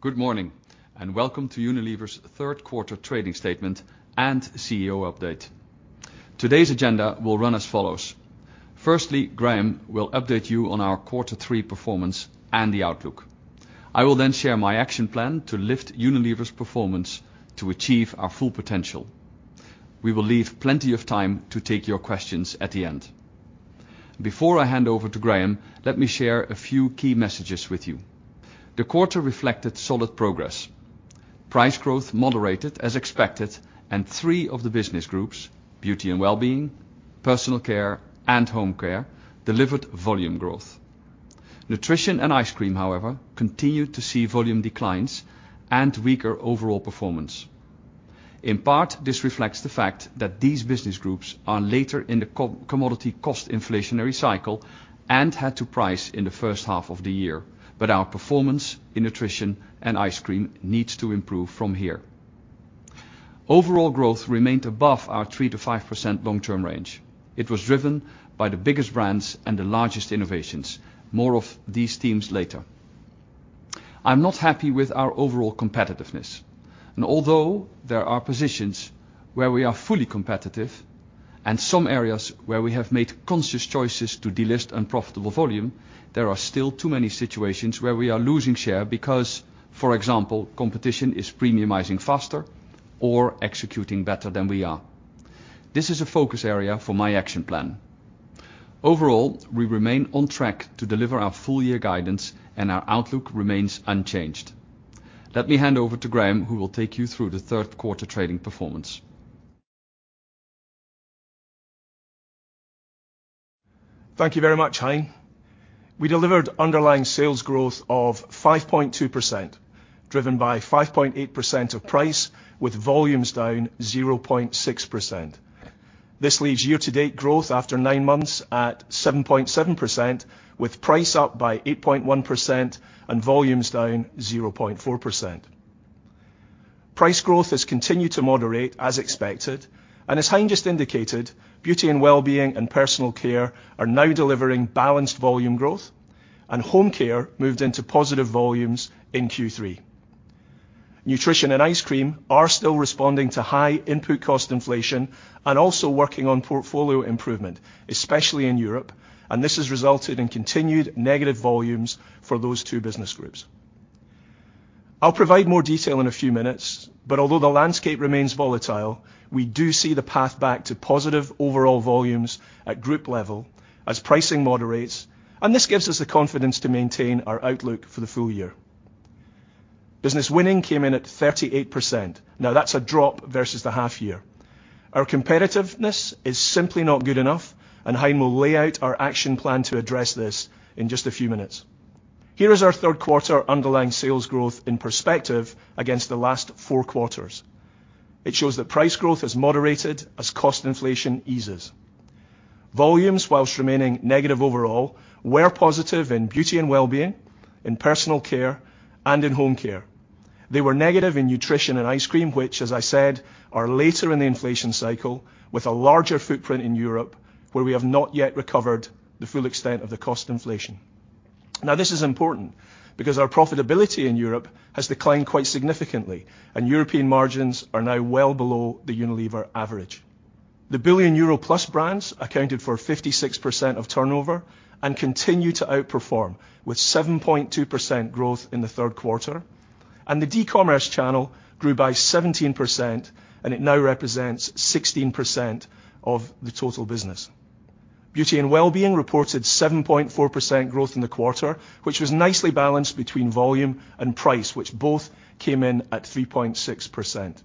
Good morning, and welcome to Unilever's third quarter trading statement and CEO update. Today's agenda will run as follows: firstly, Graeme will update you on our quarter three performance and the outlook. I will then share my action plan to lift Unilever's performance to achieve our full potential. We will leave plenty of time to take your questions at the end. Before I hand over to Graeme, let me share a few key messages with you. The quarter reflected solid progress. Price growth moderated as expected, and three of the business groups, Beauty & Wellbeing, Personal Care, and Home Care, delivered volume growth. Nutrition and Ice Cream, however, continued to see volume declines and weaker overall performance. In part, this reflects the fact that these business groups are later in the co-commodity cost inflationary cycle and had to price in the first half of the year, but our performance in Nutrition and Ice Cream needs to improve from here. Overall growth remained above our 3%-5% long-term range. It was driven by the biggest brands and the largest innovations. More of these themes later. I'm not happy with our overall competitiveness, and although there are positions where we are fully competitive and some areas where we have made conscious choices to delist unprofitable volume, there are still too many situations where we are losing share, because, for example, competition is premiumizing faster or executing better than we are. This is a focus area for my action plan. Overall, we remain on track to deliver our full year guidance, and our outlook remains unchanged. Let me hand over to Graeme, who will take you through the third quarter trading performance. Thank you very much, Hein. We delivered underlying sales growth of 5.2%, driven by 5.8% of price, with volumes down 0.6%. This leaves year-to-date growth after nine months at 7.7%, with price up by 8.1% and volumes down 0.4%. Price growth has continued to moderate, as expected, and as Hein just indicated, Beauty & Wellbeing and Personal Care are now delivering balanced volume growth, and Home Care moved into positive volumes in Q3. Nutrition and Ice Cream are still responding to high input cost inflation and also working on portfolio improvement, especially in Europe, and this has resulted in continued negative volumes for those two business groups. I'll provide more detail in a few minutes, but although the landscape remains volatile, we do see the path back to positive overall volumes at group level as pricing moderates, and this gives us the confidence to maintain our outlook for the full year. Business Winning came in at 38%. Now, that's a drop versus the half year. Our competitiveness is simply not good enough, and Hein will lay out our action plan to address this in just a few minutes. Here is our third quarter underlying sales growth in perspective against the last four quarters. It shows that price growth has moderated as cost inflation eases. Volumes, while remaining negative overall, were positive in Beauty & Wellbeing, in Personal Care, and in Home Care. They were negative in Nutrition and Ice Cream, which, as I said, are later in the inflation cycle with a larger footprint in Europe, where we have not yet recovered the full extent of the cost inflation. Now, this is important because our profitability in Europe has declined quite significantly, and European margins are now well below the Unilever average. The billion euro-plus brands accounted for 56% of turnover and continue to outperform, with 7.2% growth in the third quarter, and the e-commerce channel grew by 17%, and it now represents 16% of the total business. Beauty & Wellbeing reported 7.4% growth in the quarter, which was nicely balanced between volume and price, which both came in at 3.6%.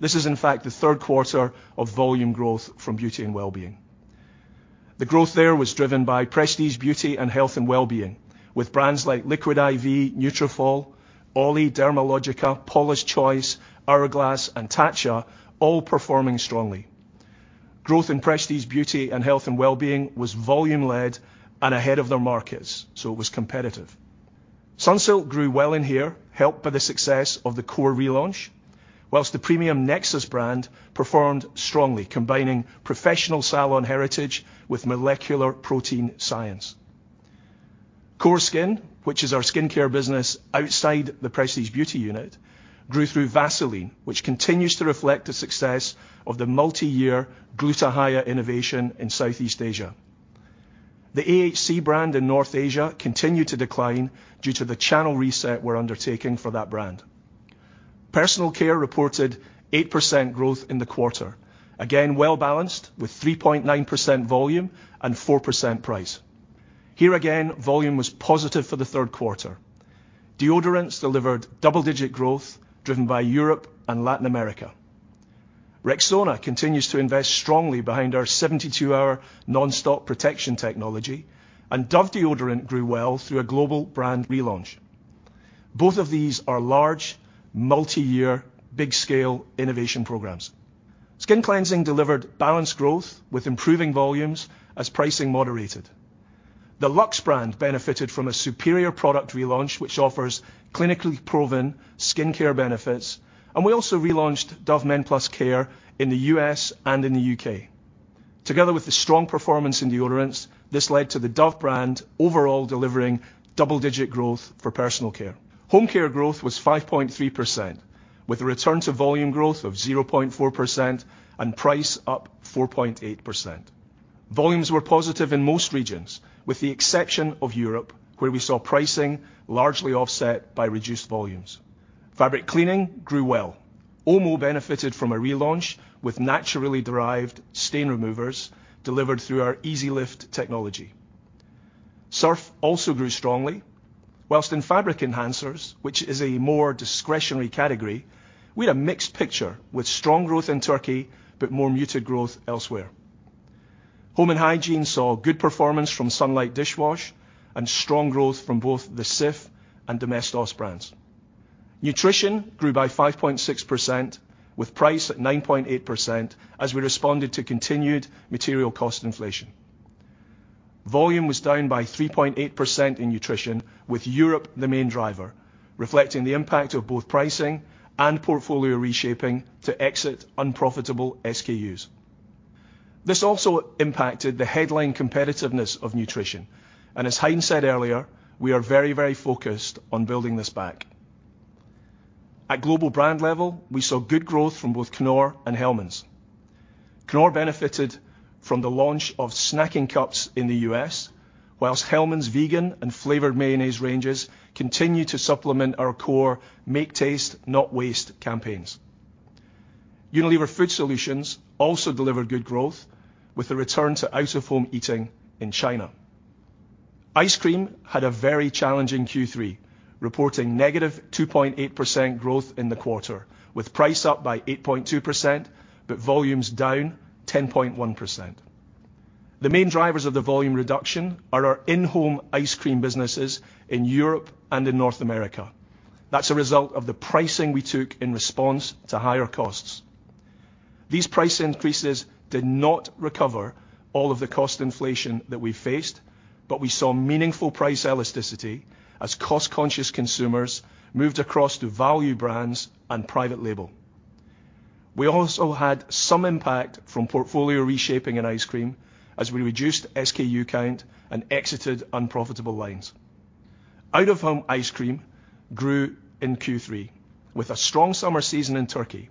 This is, in fact, the third quarter of volume growth from Beauty & Wellbeing. The growth there was driven by Prestige Beauty and Health & Wellbeing, with brands like Liquid I.V., Nutrafol, Olly, Dermalogica, Paula's Choice, Hourglass, and Tatcha all performing strongly. Growth in Prestige Beauty and Health & Wellbeing was volume-led and ahead of their markets, so it was competitive. Sunsilk grew well in here, helped by the success of the core relaunch, while the premium Nexxus brand performed strongly, combining professional salon heritage with molecular protein science. Core Skin, which is our skincare business outside the Prestige Beauty unit, grew through Vaseline, which continues to reflect the success of the multi-year Gluta-Hya innovation in Southeast Asia. The AHC brand in North Asia continued to decline due to the channel reset we're undertaking for that brand. Personal Care reported 8% growth in the quarter, again, well balanced with 3.9% volume and 4% price. Here again, volume was positive for the third quarter. Deodorants delivered double-digit growth, driven by Europe and Latin America. Rexona continues to invest strongly behind our 72-hour nonstop protection technology, and Dove deodorant grew well through a global brand relaunch. Both of these are large, multi-year, big scale innovation programs. Skin cleansing delivered balanced growth with improving volumes as pricing moderated. The Lux brand benefited from a superior product relaunch, which offers clinically proven skincare benefits, and we also relaunched Dove Men+Care in the U.S. and in the U.K. Together with the strong performance in deodorants, this led to the Dove brand overall delivering double-digit growth for personal care. Home Care growth was 5.3%, with a return to volume growth of 0.4% and price up 4.8%. Volumes were positive in most regions, with the exception of Europe, where we saw pricing largely offset by reduced volumes. Fabric cleaning grew well. OMO benefited from a relaunch with naturally derived stain removers delivered through our Easy Lift technology. Surf also grew strongly, whilst in fabric enhancers, which is a more discretionary category, we had a mixed picture with strong growth in Turkey, but more muted growth elsewhere. Home & Hygiene saw good performance from Sunlight dishwash and strong growth from both the Cif and Domestos brands. Nutrition grew by 5.6%, with price at 9.8% as we responded to continued material cost inflation. Volume was down by 3.8% in Nutrition, with Europe the main driver, reflecting the impact of both pricing and portfolio reshaping to exit unprofitable SKUs. This also impacted the headline competitiveness of Nutrition, and as Hein said earlier, we are very, very focused on building this back. At global brand level, we saw good growth from both Knorr and Hellmann's. Knorr benefited from the launch of snacking cups in the U.S., while Hellmann's vegan and flavored mayonnaise ranges continue to supplement our core Make Taste, Not Waste campaigns. Unilever Food Solutions also delivered good growth, with a return to out-of-home eating in China. Ice Cream had a very challenging Q3, reporting -2.8% growth in the quarter, with price up by 8.2%, but volumes down 10.1%. The main drivers of the volume reduction are our in-home ice cream businesses in Europe and in North America. That's a result of the pricing we took in response to higher costs. These price increases did not recover all of the cost inflation that we faced, but we saw meaningful price elasticity as cost-conscious consumers moved across to value brands and private label. We also had some impact from portfolio reshaping in ice cream as we reduced SKU count and exited unprofitable lines. Out-of-home ice cream grew in Q3, with a strong summer season in Turkey.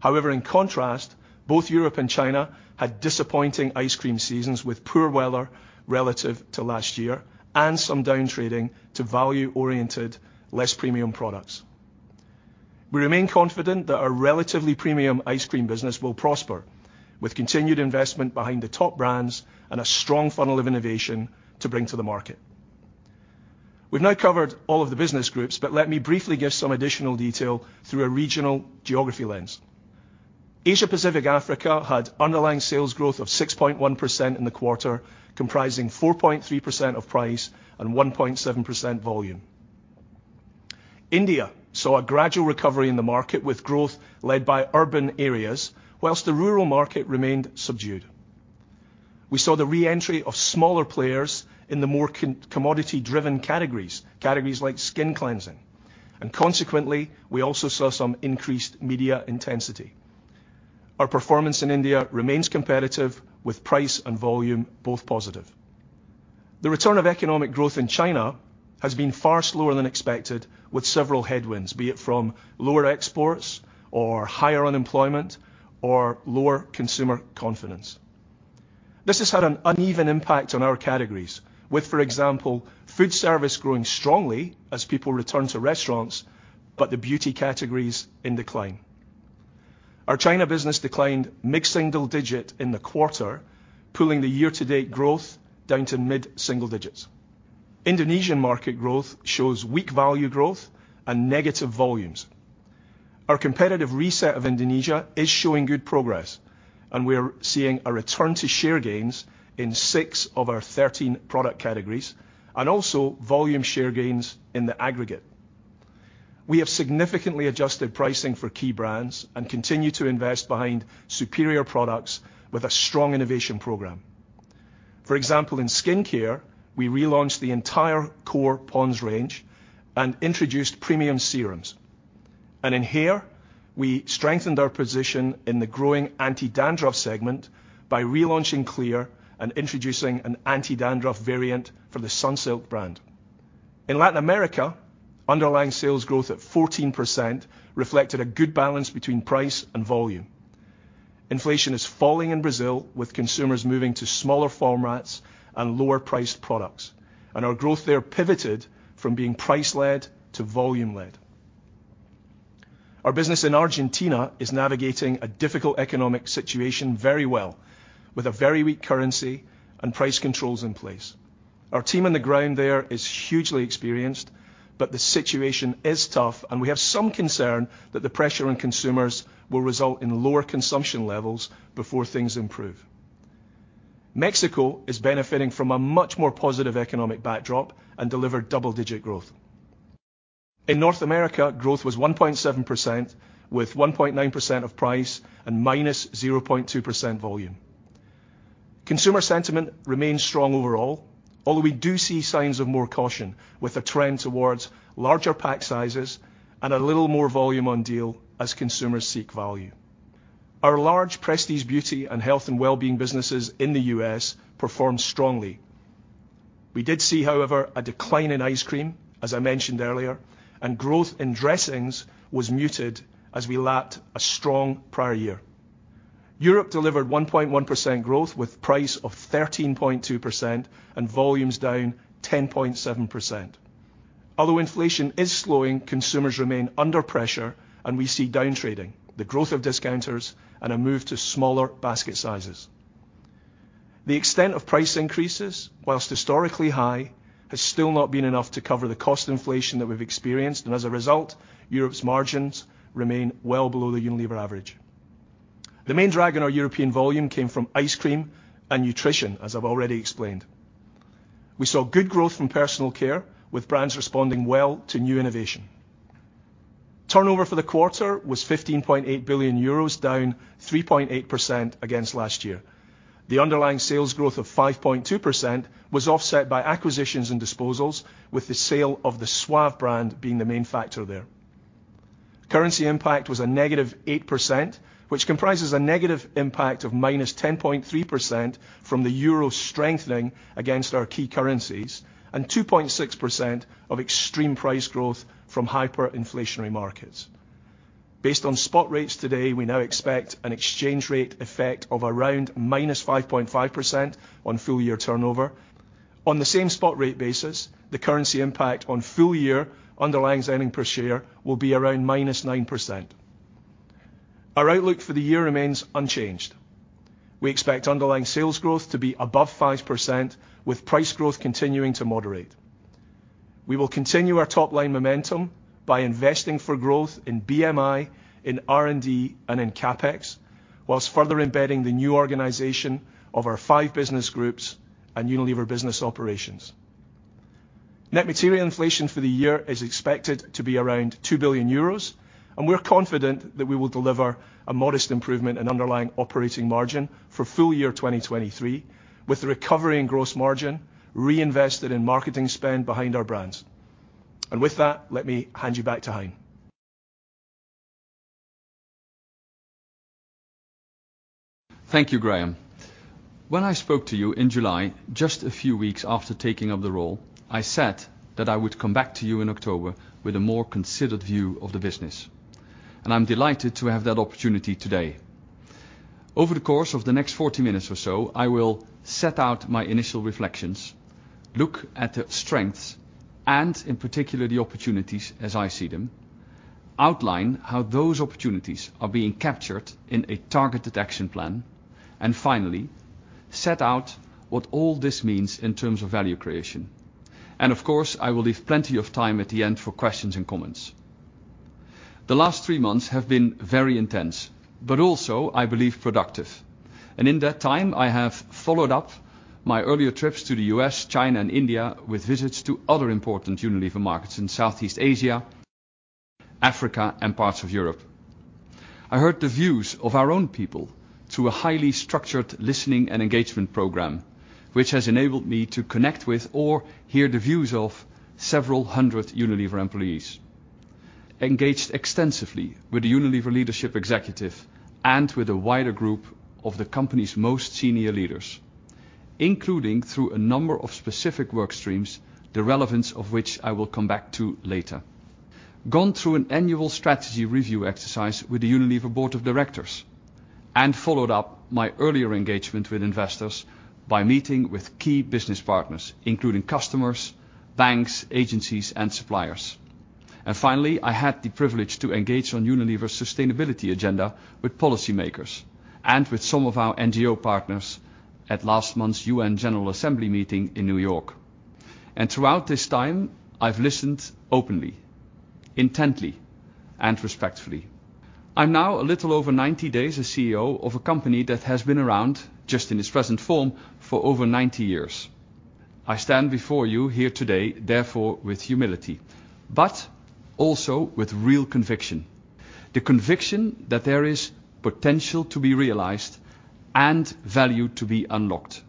However, in contrast, both Europe and China had disappointing ice cream seasons, with poor weather relative to last year and some down trading to value-oriented, less premium products. We remain confident that our relatively premium ice cream business will prosper with continued investment behind the top brands and a strong funnel of innovation to bring to the market. We've now covered all of the business groups, but let me briefly give some additional detail through a regional geography lens. Asia Pacific Africa had underlying sales growth of 6.1% in the quarter, comprising 4.3% of price and 1.7% volume. India saw a gradual recovery in the market, with growth led by urban areas, while the rural market remained subdued. We saw the re-entry of smaller players in the more commodity-driven categories, categories like skin cleansing, and consequently, we also saw some increased media intensity. Our performance in India remains competitive, with price and volume both positive. The return of economic growth in China has been far slower than expected, with several headwinds, be it from lower exports or higher unemployment or lower consumer confidence. This has had an uneven impact on our categories, with, for example, food service growing strongly as people return to restaurants, but the beauty categories in decline. Our China business declined mid-single digit in the quarter, pulling the year-to-date growth down to mid-single digits. Indonesian market growth shows weak value growth and negative volumes. Our competitive reset of Indonesia is showing good progress, and we are seeing a return to share gains in six of our 13 product categories, and also volume share gains in the aggregate. We have significantly adjusted pricing for key brands and continue to invest behind superior products with a strong innovation program. For example, in skincare, we relaunched the entire core Pond's range and introduced premium serums. And in hair, we strengthened our position in the growing anti-dandruff segment by relaunching Clear and introducing an anti-dandruff variant for the Sunsilk brand. In Latin America, underlying sales growth at 14% reflected a good balance between price and volume. Inflation is falling in Brazil, with consumers moving to smaller formats and lower priced products, and our growth there pivoted from being price-led to volume-led. Our business in Argentina is navigating a difficult economic situation very well, with a very weak currency and price controls in place. Our team on the ground there is hugely experienced, but the situation is tough, and we have some concern that the pressure on consumers will result in lower consumption levels before things improve. Mexico is benefiting from a much more positive economic backdrop and delivered double-digit growth. In North America, growth was 1.7%, with 1.9% of price and -0.2% volume. Consumer sentiment remains strong overall, although we do see signs of more caution, with a trend towards larger pack sizes and a little more volume on deal as consumers seek value. Our large Prestige Beauty and Health & Wellbeing businesses in the U.S. performed strongly. We did see, however, a decline in ice cream, as I mentioned earlier, and growth in dressings was muted as we lapped a strong prior year. Europe delivered 1.1% growth, with price of 13.2% and volumes down 10.7%. Although inflation is slowing, consumers remain under pressure, and we see down trading, the growth of discounters, and a move to smaller basket sizes. The extent of price increases, while historically high, has still not been enough to cover the cost inflation that we've experienced, and as a result, Europe's margins remain well below the Unilever average. The main drag on our European volume came from ice cream and Nutrition, as I've already explained. We saw good growth from personal care, with brands responding well to new innovation. Turnover for the quarter was 15.8 billion euros, down 3.8% against last year. The underlying sales growth of 5.2% was offset by acquisitions and disposals, with the sale of the Suave brand being the main factor there. Currency impact was a -8%, which comprises a negative impact of -10.3% from the euro strengthening against our key currencies, and 2.6% of extreme price growth from hyperinflationary markets. Based on spot rates today, we now expect an exchange rate effect of around -5.5% on full year turnover. On the same spot rate basis, the currency impact on full year underlying earnings per share will be around -9%. Our outlook for the year remains unchanged. We expect underlying sales growth to be above 5%, with price growth continuing to moderate. We will continue our top-line momentum by investing for growth in BMI, in R&D, and in CapEx, while further embedding the new organization of our five business groups and Unilever Business Operations. Net material inflation for the year is expected to be around 2 billion euros, and we're confident that we will deliver a modest improvement in underlying operating margin for full year 2023, with the recovery in gross margin reinvested in marketing spend behind our brands. With that, let me hand you back to Hein. Thank you, Graeme. When I spoke to you in July, just a few weeks after taking up the role, I said that I would come back to you in October with a more considered view of the business, and I'm delighted to have that opportunity today. Over the course of the next 40 minutes or so, I will set out my initial reflections, look at the strengths and in particular, the opportunities as I see them, outline how those opportunities are being captured in a targeted action plan, and finally, set out what all this means in terms of value creation. And of course, I will leave plenty of time at the end for questions and comments. The last three months have been very intense, but also, I believe, productive. In that time, I have followed up my earlier trips to the U.S., China, and India, with visits to other important Unilever markets in Southeast Asia, Africa, and parts of Europe. I heard the views of our own people through a highly structured listening and engagement program, which has enabled me to connect with or hear the views of several hundred Unilever employees. Engaged extensively with the Unilever Leadership Executive and with a wider group of the company's most senior leaders, including through a number of specific work streams, the relevance of which I will come back to later. Gone through an annual strategy review exercise with the Unilever Board of Directors, and followed up my earlier engagement with investors by meeting with key business partners, including customers, banks, agencies, and suppliers. Finally, I had the privilege to engage on Unilever's sustainability agenda with policymakers and with some of our NGO partners at last month's U.N. General Assembly meeting in New York. Throughout this time, I've listened openly, intently, and respectfully. I'm now a little over 90 days as CEO of a company that has been around, just in its present form, for over 90 years. I stand before you here today, therefore, with humility, but also with real conviction. The conviction that there is potential to be realized and value to be unlocked.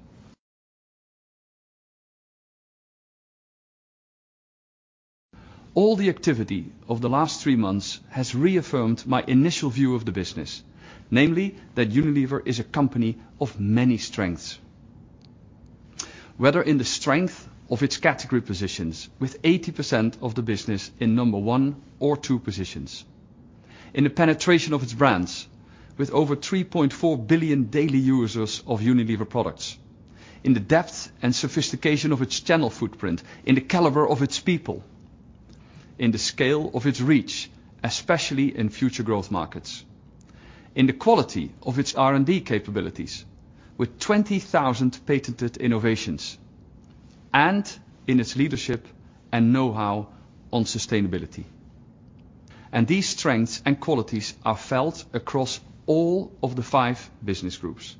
All the activity of the last three months has reaffirmed my initial view of the business. Namely, that Unilever is a company of many strengths. Whether in the strength of its category positions, with 80% of the business in number one or two positions, in the penetration of its brands, with over 3.4 billion daily users of Unilever products, in the depth and sophistication of its channel footprint, in the caliber of its people, in the scale of its reach, especially in future growth markets, in the quality of its R&D capabilities with 20,000 patented innovations, and in its leadership and know-how on sustainability. These strengths and qualities are felt across all of the five business groups.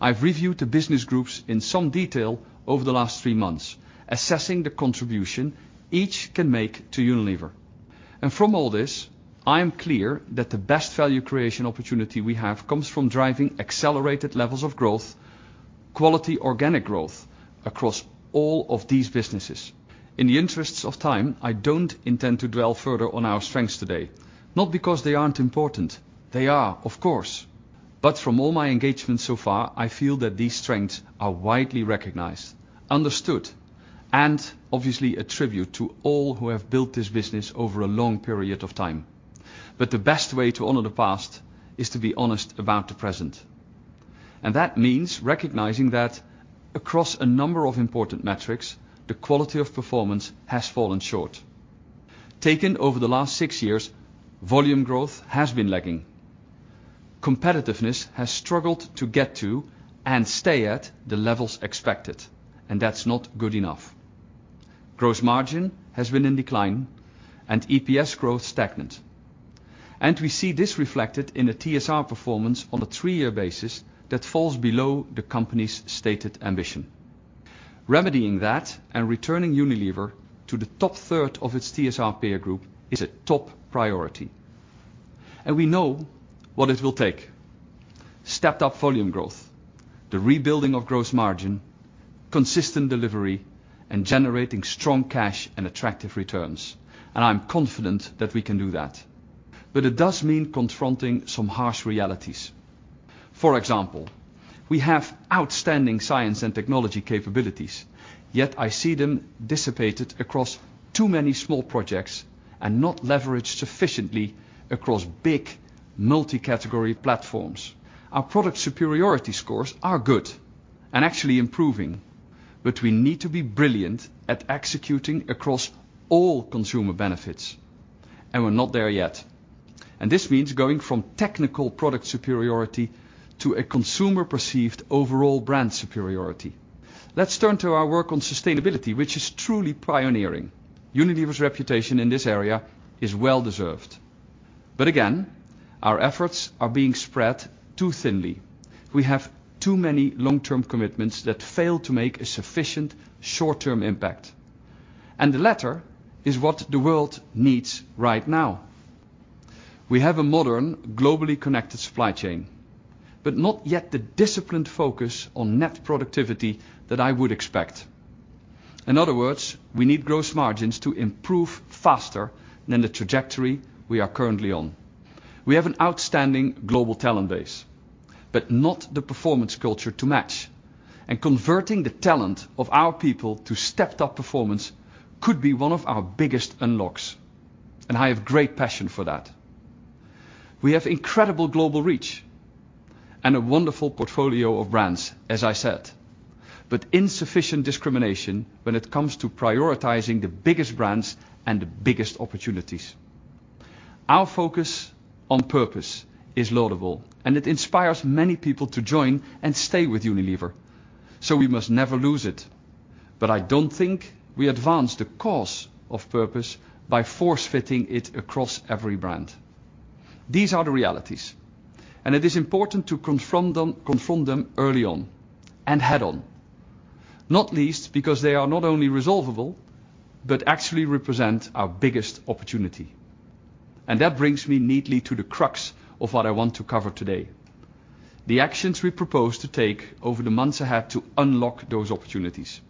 I've reviewed the business groups in some detail over the last three months, assessing the contribution each can make to Unilever... and from all this, I am clear that the best value creation opportunity we have comes from driving accelerated levels of growth, quality organic growth, across all of these businesses. In the interests of time, I don't intend to dwell further on our strengths today, not because they aren't important. They are, of course, but from all my engagements so far, I feel that these strengths are widely recognized, understood, and obviously a tribute to all who have built this business over a long period of time. But the best way to honor the past is to be honest about the present, and that means recognizing that across a number of important metrics, the quality of performance has fallen short. Taken over the last six years, volume growth has been lagging. Competitiveness has struggled to get to and stay at the levels expected, and that's not good enough. Gross margin has been in decline and EPS growth stagnant, and we see this reflected in a TSR performance on a three-year basis that falls below the company's stated ambition. Remedying that and returning Unilever to the top third of its TSR peer group is a top priority, and we know what it will take: stepped-up volume growth, the rebuilding of gross margin, consistent delivery, and generating strong cash and attractive returns. I'm confident that we can do that. It does mean confronting some harsh realities. For example, we have outstanding science and technology capabilities, yet I see them dissipated across too many small projects and not leveraged sufficiently across big, multi-category platforms. Our product superiority scores are good and actually improving, but we need to be brilliant at executing across all consumer benefits, and we're not there yet. This means going from technical product superiority to a consumer-perceived overall brand superiority. Let's turn to our work on sustainability, which is truly pioneering. Unilever's reputation in this area is well-deserved, but again, our efforts are being spread too thinly. We have too many long-term commitments that fail to make a sufficient short-term impact, and the latter is what the world needs right now. We have a modern, globally connected supply chain, but not yet the disciplined focus on net productivity that I would expect. In other words, we need gross margins to improve faster than the trajectory we are currently on. We have an outstanding global talent base, but not the performance culture to match. Converting the talent of our people to stepped-up performance could be one of our biggest unlocks, and I have great passion for that. We have incredible global reach and a wonderful portfolio of brands, as I said, but insufficient discrimination when it comes to prioritizing the biggest brands and the biggest opportunities. Our focus on purpose is laudable, and it inspires many people to join and stay with Unilever, so we must never lose it. But I don't think we advance the cause of purpose by force-fitting it across every brand. These are the realities, and it is important to confront them, confront them early on and head-on, not least because they are not only resolvable, but actually represent our biggest opportunity. That brings me neatly to the crux of what I want to cover today, the actions we propose to take over the months ahead to unlock those opportunities.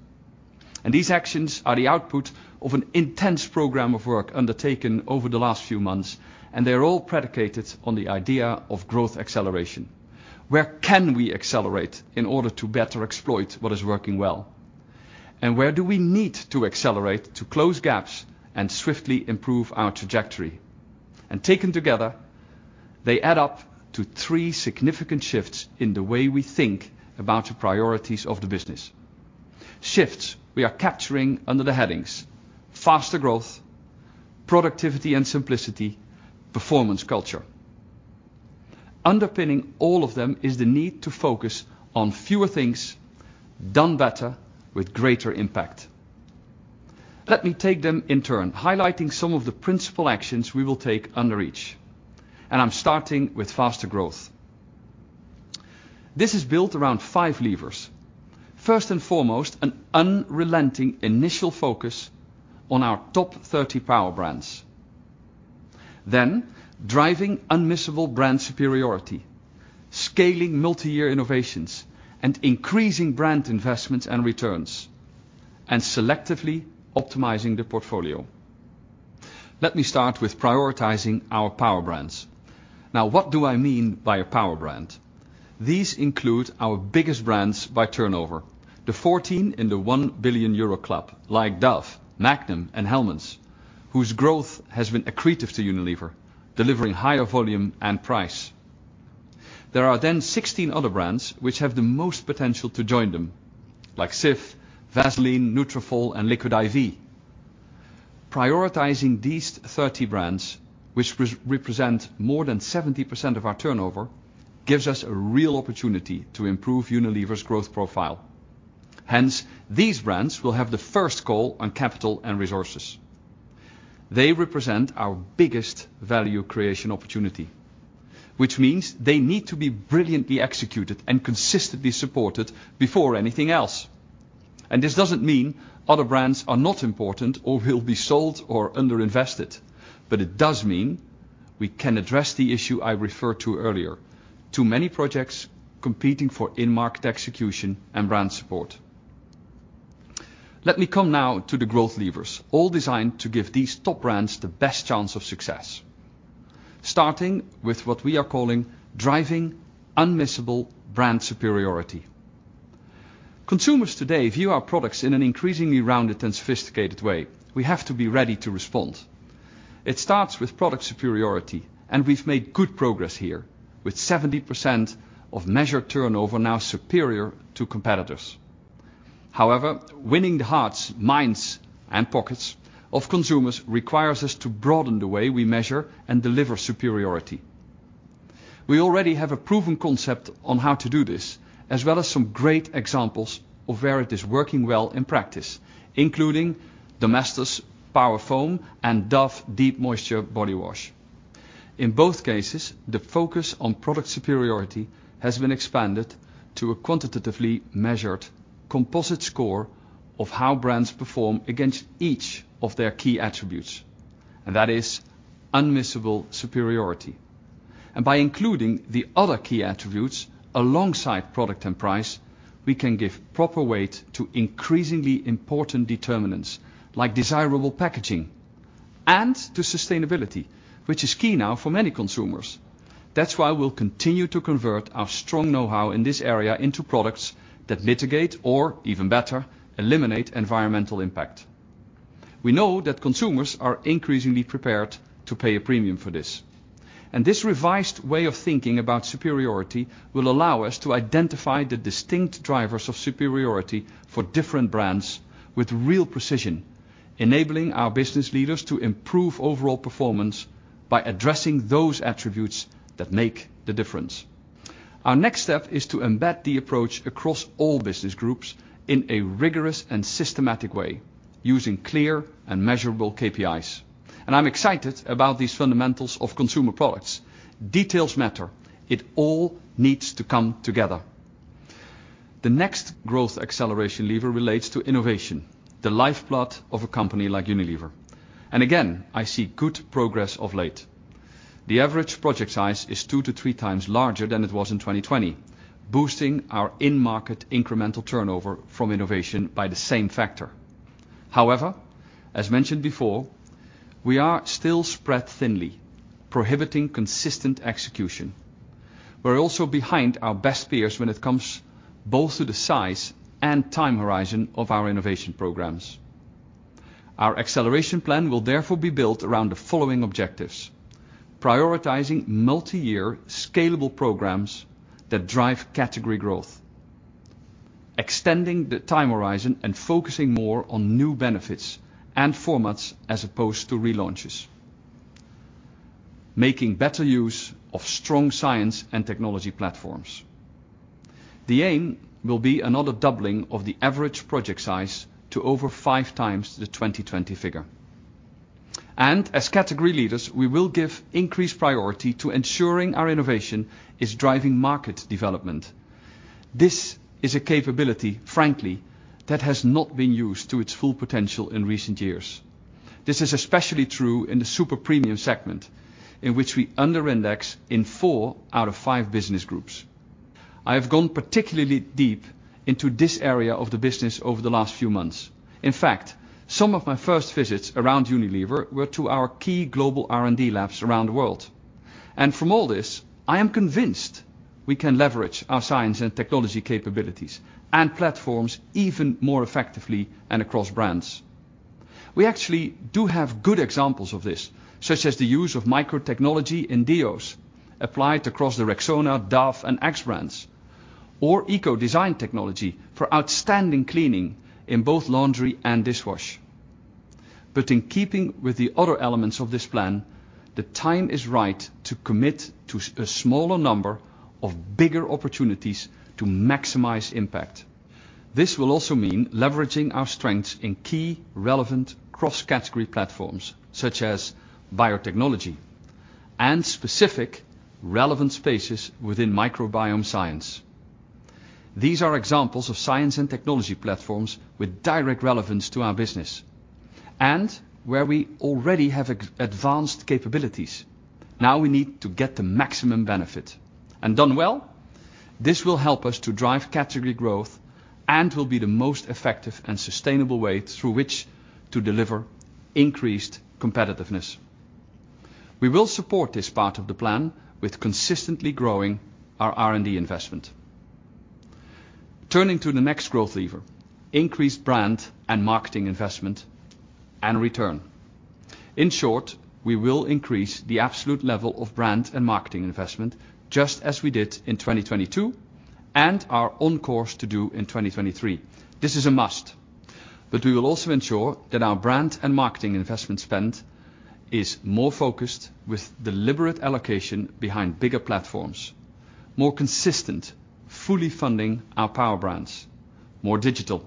These actions are the output of an intense program of work undertaken over the last few months, and they are all predicated on the idea of growth acceleration. Where can we accelerate in order to better exploit what is working well? Where do we need to accelerate to close gaps and swiftly improve our trajectory? Taken together, they add up to three significant shifts in the way we think about the priorities of the business. Shifts we are capturing under the headings: faster growth, productivity and simplicity, performance culture. Underpinning all of them is the need to focus on fewer things, done better with greater impact. Let me take them in turn, highlighting some of the principal actions we will take under each, and I'm starting with faster growth. This is built around five levers. First and foremost, an unrelenting initial focus on our top 30 Power Brands, then driving Unmissable Brand Superiority, scaling multi-year innovations, and increasing brand investments and returns, and selectively optimizing the portfolio. Let me start with prioritizing our Power Brands. Now, what do I mean by a Power Brand? These include our biggest brands by turnover, the 14 in the 1 billion euro club, like Dove, Magnum, and Hellmann's, whose growth has been accretive to Unilever, delivering higher volume and price. There are then 16 other brands which have the most potential to join them, like Cif, Vaseline, Nutrafol, and Liquid I.V.. Prioritizing these 30 brands, which represent more than 70% of our turnover, gives us a real opportunity to improve Unilever's growth profile. Hence, these brands will have the first call on capital and resources. They represent our biggest value creation opportunity, which means they need to be brilliantly executed and consistently supported before anything else. This doesn't mean other brands are not important or will be sold or underinvested, but it does mean we can address the issue I referred to earlier, too many projects competing for in-market execution and brand support. Let me come now to the growth levers, all designed to give these top brands the best chance of success, starting with what we are calling driving Unmissable Brand Superiority. Consumers today view our products in an increasingly rounded and sophisticated way. We have to be ready to respond. It starts with product superiority, and we've made good progress here, with 70% of measured turnover now superior to competitors. However, winning the hearts, minds, and pockets of consumers requires us to broaden the way we measure and deliver superiority. We already have a proven concept on how to do this, as well as some great examples of where it is working well in practice, including Domestos Power Foam and Dove Deep Moisture Body Wash. In both cases, the focus on product superiority has been expanded to a quantitatively measured composite score of how brands perform against each of their key attributes, and that is unmissable superiority. By including the other key attributes alongside product and price, we can give proper weight to increasingly important determinants, like desirable packaging and to sustainability, which is key now for many consumers. That's why we'll continue to convert our strong know-how in this area into products that mitigate or, even better, eliminate environmental impact. We know that consumers are increasingly prepared to pay a premium for this, and this revised way of thinking about superiority will allow us to identify the distinct drivers of superiority for different brands with real precision, enabling our business leaders to improve overall performance by addressing those attributes that make the difference. Our next step is to embed the approach across all business groups in a rigorous and systematic way, using clear and measurable KPIs. And I'm excited about these fundamentals of consumer products. Details matter. It all needs to come together. The next growth acceleration lever relates to innovation, the lifeblood of a company like Unilever. And again, I see good progress of late. The average project size is 2x-3x larger than it was in 2020, boosting our in-market incremental turnover from innovation by the same factor. However, as mentioned before, we are still spread thinly, prohibiting consistent execution. We're also behind our best peers when it comes both to the size and time horizon of our innovation programs. Our acceleration plan will therefore be built around the following objectives: prioritizing multi-year, scalable programs that drive category growth, extending the time horizon and focusing more on new benefits and formats as opposed to relaunches, making better use of strong science and technology platforms. The aim will be another doubling of the average project size to over 5x the 2020 figure. And as category leaders, we will give increased priority to ensuring our innovation is driving market development. This is a capability, frankly, that has not been used to its full potential in recent years. This is especially true in the super premium segment, in which we under-index in four out of five business groups. I have gone particularly deep into this area of the business over the last few months. In fact, some of my first visits around Unilever were to our key global R&D labs around the world. And from all this, I am convinced we can leverage our science and technology capabilities and platforms even more effectively and across brands. We actually do have good examples of this, such as the use of microtechnology in Deos, applied across the Rexona, Dove, and Axe brands, or eco-design technology for outstanding cleaning in both laundry and dishwash. But in keeping with the other elements of this plan, the time is right to commit to a smaller number of bigger opportunities to maximize impact. This will also mean leveraging our strengths in key relevant cross-category platforms, such as biotechnology and specific relevant spaces within microbiome science. These are examples of science and technology platforms with direct relevance to our business, and where we already have advanced capabilities. Now we need to get the maximum benefit. Done well, this will help us to drive category growth and will be the most effective and sustainable way through which to deliver increased competitiveness. We will support this part of the plan with consistently growing our R&D investment. Turning to the next growth lever, increased brand and marketing investment and return. In short, we will increase the absolute level of brand and marketing investment, just as we did in 2022 and are on course to do in 2023. This is a must, but we will also ensure that our brand and marketing investment spend is more focused with deliberate allocation behind bigger platforms, more consistent, fully funding our Power Brands, more digital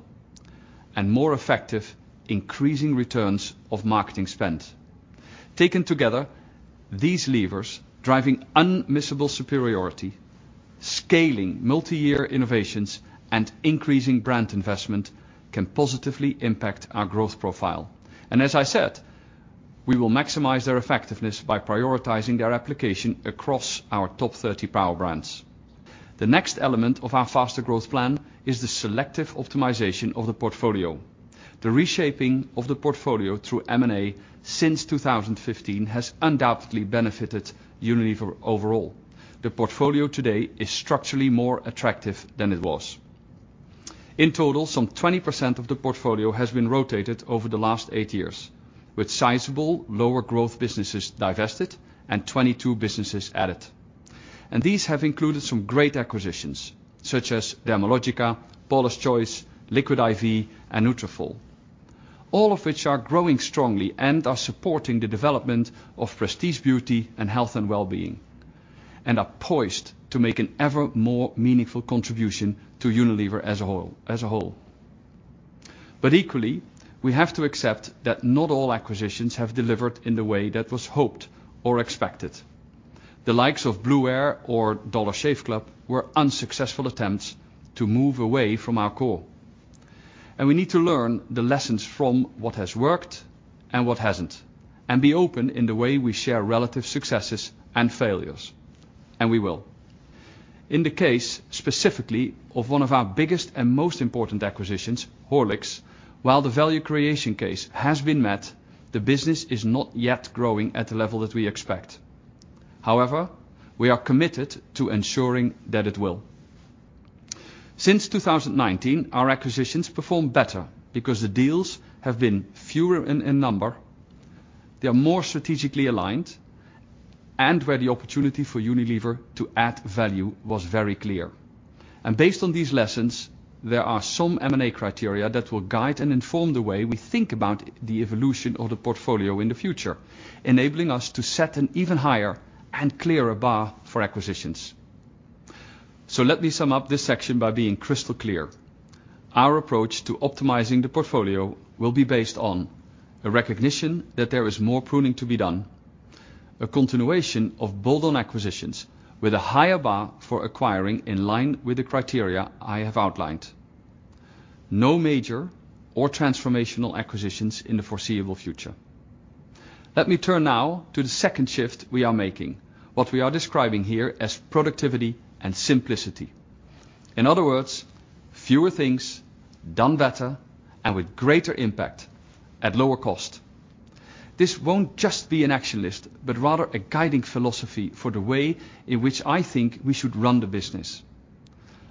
and more effective, increasing returns of marketing spend. Taken together, these levers, driving unmissable superiority, scaling multi-year innovations, and increasing brand investment, can positively impact our growth profile. And as I said, we will maximize their effectiveness by prioritizing their application across our top 30 Power Brands. The next element of our faster growth plan is the selective optimization of the portfolio. The reshaping of the portfolio through M&A since 2015 has undoubtedly benefited Unilever overall. The portfolio today is structurally more attractive than it was. In total, some 20% of the portfolio has been rotated over the last eight years, with sizable lower growth businesses divested and 22 businesses added. These have included some great acquisitions, such as Dermalogica, Paula's Choice, Liquid I.V., and Nutrafol, all of which are growing strongly and are supporting the development of Prestige Beauty and Health & Wellbeing, and are poised to make an ever more meaningful contribution to Unilever as a whole, as a whole. Equally, we have to accept that not all acquisitions have delivered in the way that was hoped or expected. The likes of Blueair or Dollar Shave Club were unsuccessful attempts to move away from our core, and we need to learn the lessons from what has worked and what hasn't, and be open in the way we share relative successes and failures, and we will. In the case, specifically of one of our biggest and most important acquisitions, Horlicks, while the value creation case has been met, the business is not yet growing at the level that we expect. However, we are committed to ensuring that it will. Since 2019, our acquisitions perform better because the deals have been fewer in number, they are more strategically aligned, and where the opportunity for Unilever to add value was very clear. Based on these lessons, there are some M&A criteria that will guide and inform the way we think about the evolution of the portfolio in the future, enabling us to set an even higher and clearer bar for acquisitions. So let me sum up this section by being crystal clear. Our approach to optimizing the portfolio will be based on a recognition that there is more pruning to be done, a continuation of build on acquisitions with a higher bar for acquiring in line with the criteria I have outlined. No major or transformational acquisitions in the foreseeable future. Let me turn now to the second shift we are making, what we are describing here as productivity and simplicity. In other words, fewer things done better and with greater impact at lower cost. This won't just be an action list, but rather a guiding philosophy for the way in which I think we should run the business.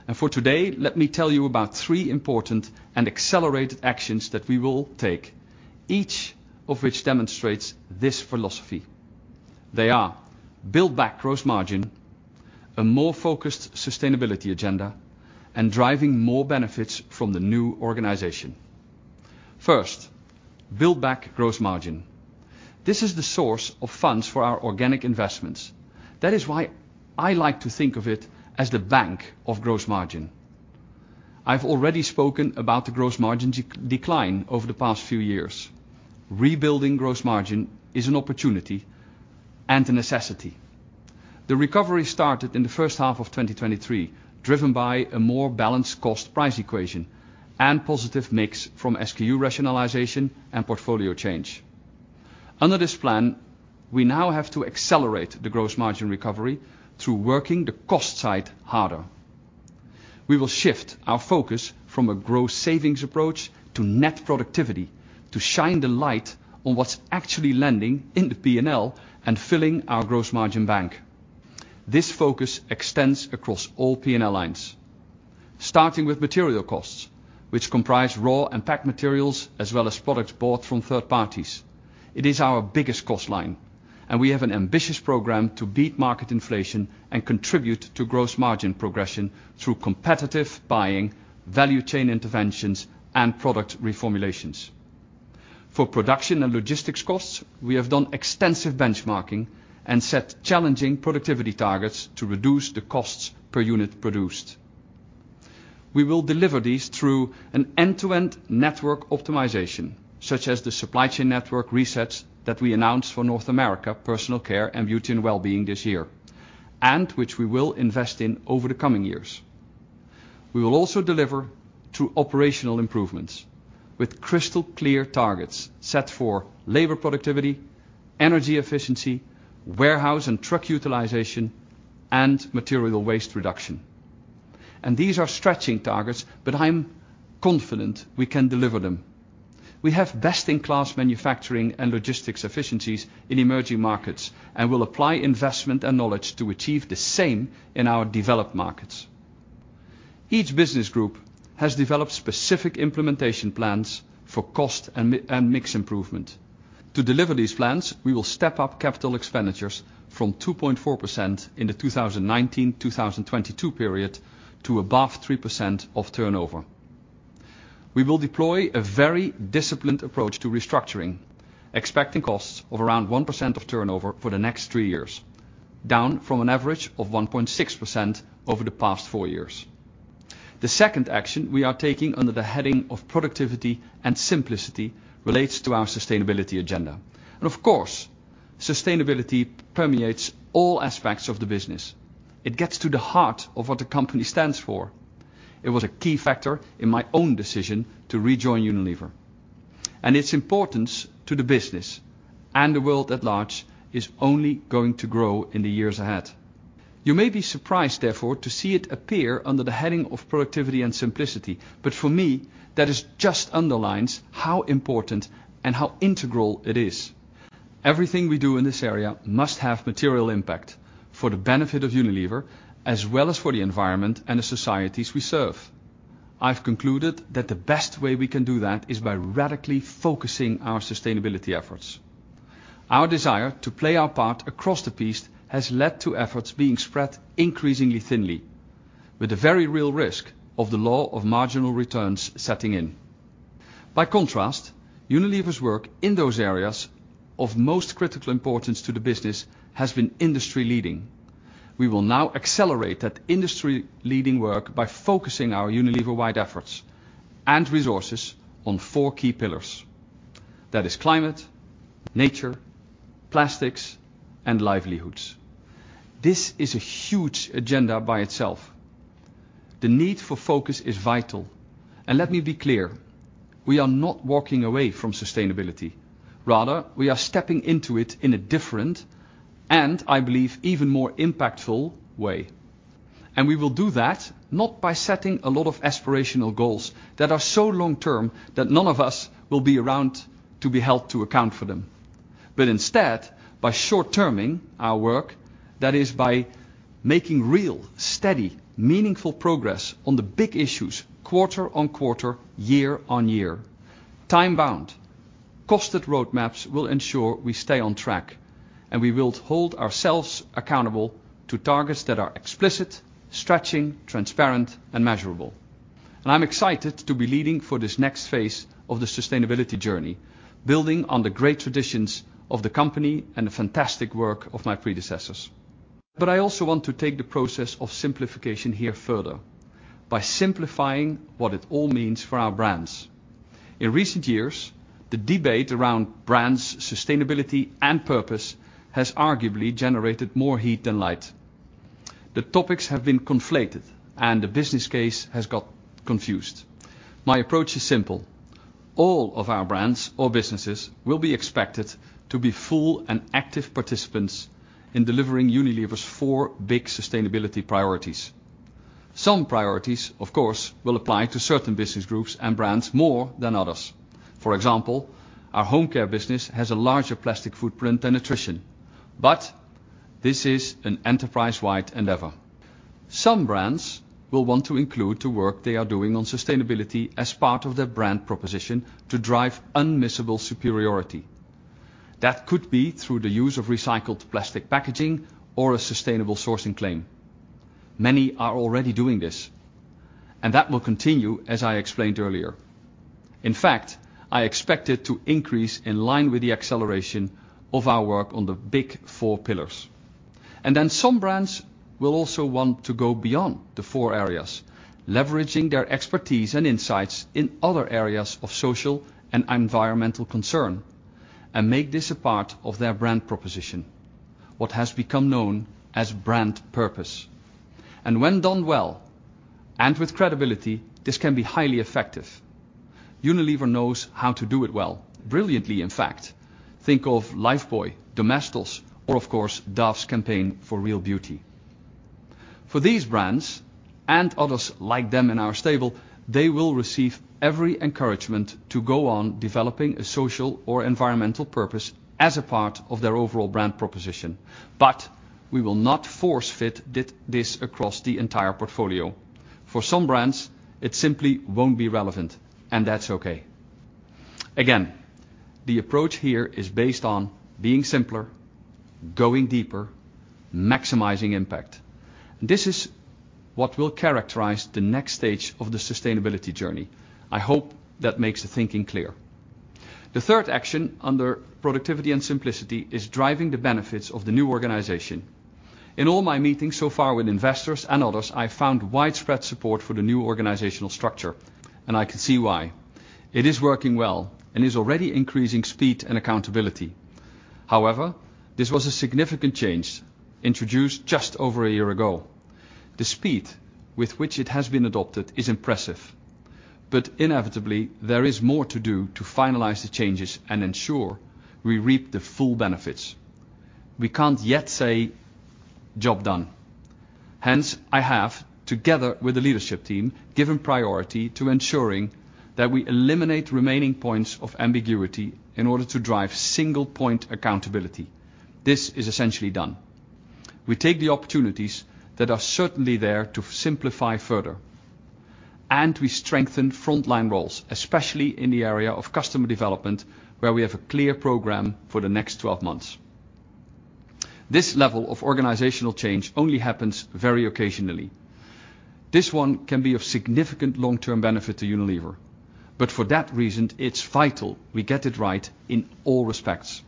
And for today, let me tell you about three important and accelerated actions that we will take, each of which demonstrates this philosophy. They are build back gross margin, a more focused sustainability agenda, and driving more benefits from the new organization. First, build back gross margin. This is the source of funds for our organic investments. That is why I like to think of it as the bank of gross margin. I've already spoken about the gross margin decline over the past few years. Rebuilding gross margin is an opportunity and a necessity. The recovery started in the first half of 2023, driven by a more balanced cost-price equation and positive mix from SKU rationalization and portfolio change. Under this plan, we now have to accelerate the gross margin recovery through working the cost side harder. We will shift our focus from a gross savings approach to net productivity, to shine the light on what's actually landing in the P&L and filling our gross margin bank. This focus extends across all P&L lines, starting with material costs, which comprise raw and packaging materials, as well as products bought from third parties. It is our biggest cost line, and we have an ambitious program to beat market inflation and contribute to gross margin progression through competitive buying, value chain interventions, and product reformulations. For production and logistics costs, we have done extensive benchmarking and set challenging productivity targets to reduce the costs per unit produced. We will deliver these through an end-to-end network optimization, such as the supply chain network resets that we announced for North America, Personal Care and Beauty & Wellbeing this year, and which we will invest in over the coming years. We will also deliver through operational improvements with crystal-clear targets set for labor productivity, energy efficiency, warehouse and truck utilization, and material waste reduction. These are stretching targets, but I'm confident we can deliver them. We have best-in-class manufacturing and logistics efficiencies in emerging markets and will apply investment and knowledge to achieve the same in our developed markets. Each business group has developed specific implementation plans for cost and mix improvement. To deliver these plans, we will step up capital expenditures from 2.4% in the 2019-2022 period to above 3% of turnover. We will deploy a very disciplined approach to restructuring, expecting costs of around 1% of turnover for the next three years, down from an average of 1.6% over the past four years.... The second action we are taking under the heading of productivity and simplicity relates to our sustainability agenda. And of course, sustainability permeates all aspects of the business. It gets to the heart of what the company stands for. It was a key factor in my own decision to rejoin Unilever, and its importance to the business and the world at large is only going to grow in the years ahead. You may be surprised, therefore, to see it appear under the heading of productivity and simplicity, but for me, that just underlines how important and how integral it is. Everything we do in this area must have material impact for the benefit of Unilever, as well as for the environment and the societies we serve. I've concluded that the best way we can do that is by radically focusing our sustainability efforts. Our desire to play our part across the piece has led to efforts being spread increasingly thinly, with the very real risk of the law of marginal returns setting in. By contrast, Unilever's work in those areas of most critical importance to the business has been industry-leading. We will now accelerate that industry-leading work by focusing our Unilever-wide efforts and resources on four key pillars. That is climate, nature, plastics, and livelihoods. This is a huge agenda by itself. The need for focus is vital, and let me be clear, we are not walking away from sustainability. Rather, we are stepping into it in a different, and I believe, even more impactful way. And we will do that not by setting a lot of aspirational goals that are so long term, that none of us will be around to be held to account for them, but instead, by short terming our work, that is by making real, steady, meaningful progress on the big issues, quarter on quarter, year on year. Time-bound, costed roadmaps will ensure we stay on track, and we will hold ourselves accountable to targets that are explicit, stretching, transparent and measurable. I'm excited to be leading for this next phase of the sustainability journey, building on the great traditions of the company and the fantastic work of my predecessors. But I also want to take the process of simplification here further by simplifying what it all means for our brands. In recent years, the debate around brands, sustainability, and purpose has arguably generated more heat than light. The topics have been conflated and the business case has got confused. My approach is simple. All of our brands or businesses will be expected to be full and active participants in delivering Unilever's four big sustainability priorities. Some priorities, of course, will apply to certain business groups and brands more than others. For example, our home care business has a larger plastic footprint than Nutrition, but this is an enterprise-wide endeavor. Some brands will want to include the work they are doing on sustainability as part of their brand proposition to drive unmissable superiority. That could be through the use of recycled plastic packaging or a sustainable sourcing claim. Many are already doing this, and that will continue, as I explained earlier. In fact, I expect it to increase in line with the acceleration of our work on the big four pillars. Then some brands will also want to go beyond the four areas, leveraging their expertise and insights in other areas of social and environmental concern, and make this a part of their brand proposition, what has become known as brand purpose. When done well, and with credibility, this can be highly effective. Unilever knows how to do it well, brilliantly, in fact. Think of Lifebuoy, Domestos, or of course, Dove's campaign for Real Beauty. For these brands and others like them in our stable, they will receive every encouragement to go on developing a social or environmental purpose as a part of their overall brand proposition, but we will not force fit this across the entire portfolio. For some brands, it simply won't be relevant, and that's okay. Again, the approach here is based on being simpler, going deeper, maximizing impact. This is what will characterize the next stage of the sustainability journey. I hope that makes the thinking clear. The third action under productivity and simplicity is driving the benefits of the new organization. In all my meetings so far with investors and others, I found widespread support for the new organizational structure, and I can see why. It is working well and is already increasing speed and accountability. However, this was a significant change introduced just over a year ago. The speed with which it has been adopted is impressive, but inevitably, there is more to do to finalize the changes and ensure we reap the full benefits. We can't yet say, "Job done." Hence, I have, together with the leadership team, given priority to ensuring that we eliminate remaining points of ambiguity in order to drive single point accountability. This is essentially done. We take the opportunities that are certainly there to simplify further, and we strengthen frontline roles, especially in the area of customer development, where we have a clear program for the next twelve months. This level of organizational change only happens very occasionally. This one can be of significant long-term benefit to Unilever, but for that reason, it's vital we get it right in all respects.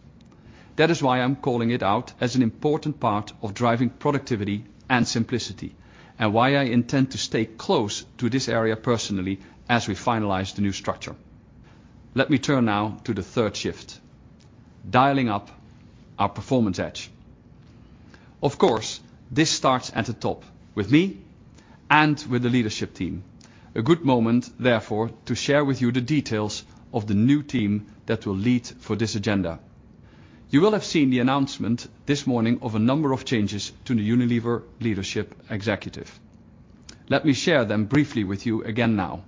That is why I'm calling it out as an important part of driving productivity and simplicity, and why I intend to stay close to this area personally as we finalize the new structure. Let me turn now to the third shift, dialing up our performance edge. Of course, this starts at the top, with me and with the leadership team. A good moment, therefore, to share with you the details of the new team that will lead for this agenda. You will have seen the announcement this morning of a number of changes to the Unilever Leadership Executive. Let me share them briefly with you again now.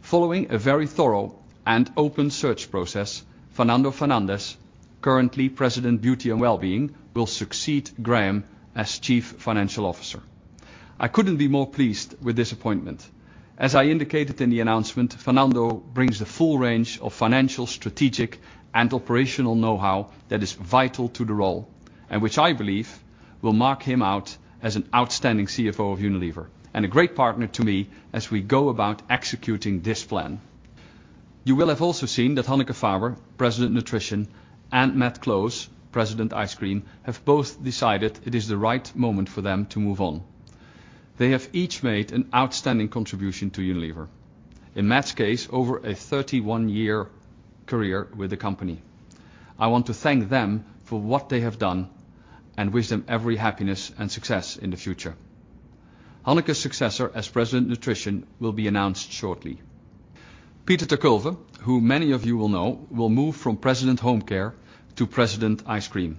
Following a very thorough and open search process, Fernando Fernandez, currently President, Beauty & Wellbeing, will succeed Graeme as Chief Financial Officer. I couldn't be more pleased with this appointment. As I indicated in the announcement, Fernando brings the full range of financial, strategic, and operational know-how that is vital to the role, and which I believe will mark him out as an outstanding CFO of Unilever, and a great partner to me as we go about executing this plan. You will have also seen that Hanneke Faber, President, Nutrition, and Matt Close, President, Ice Cream, have both decided it is the right moment for them to move on. They have each made an outstanding contribution to Unilever. In Matt's case, over a 31-year career with the company. I want to thank them for what they have done and wish them every happiness and success in the future. Hanneke's successor as President, Nutrition, will be announced shortly. Peter ter Kulve, who many of you will know, will move from President, Home Care, to President, Ice Cream.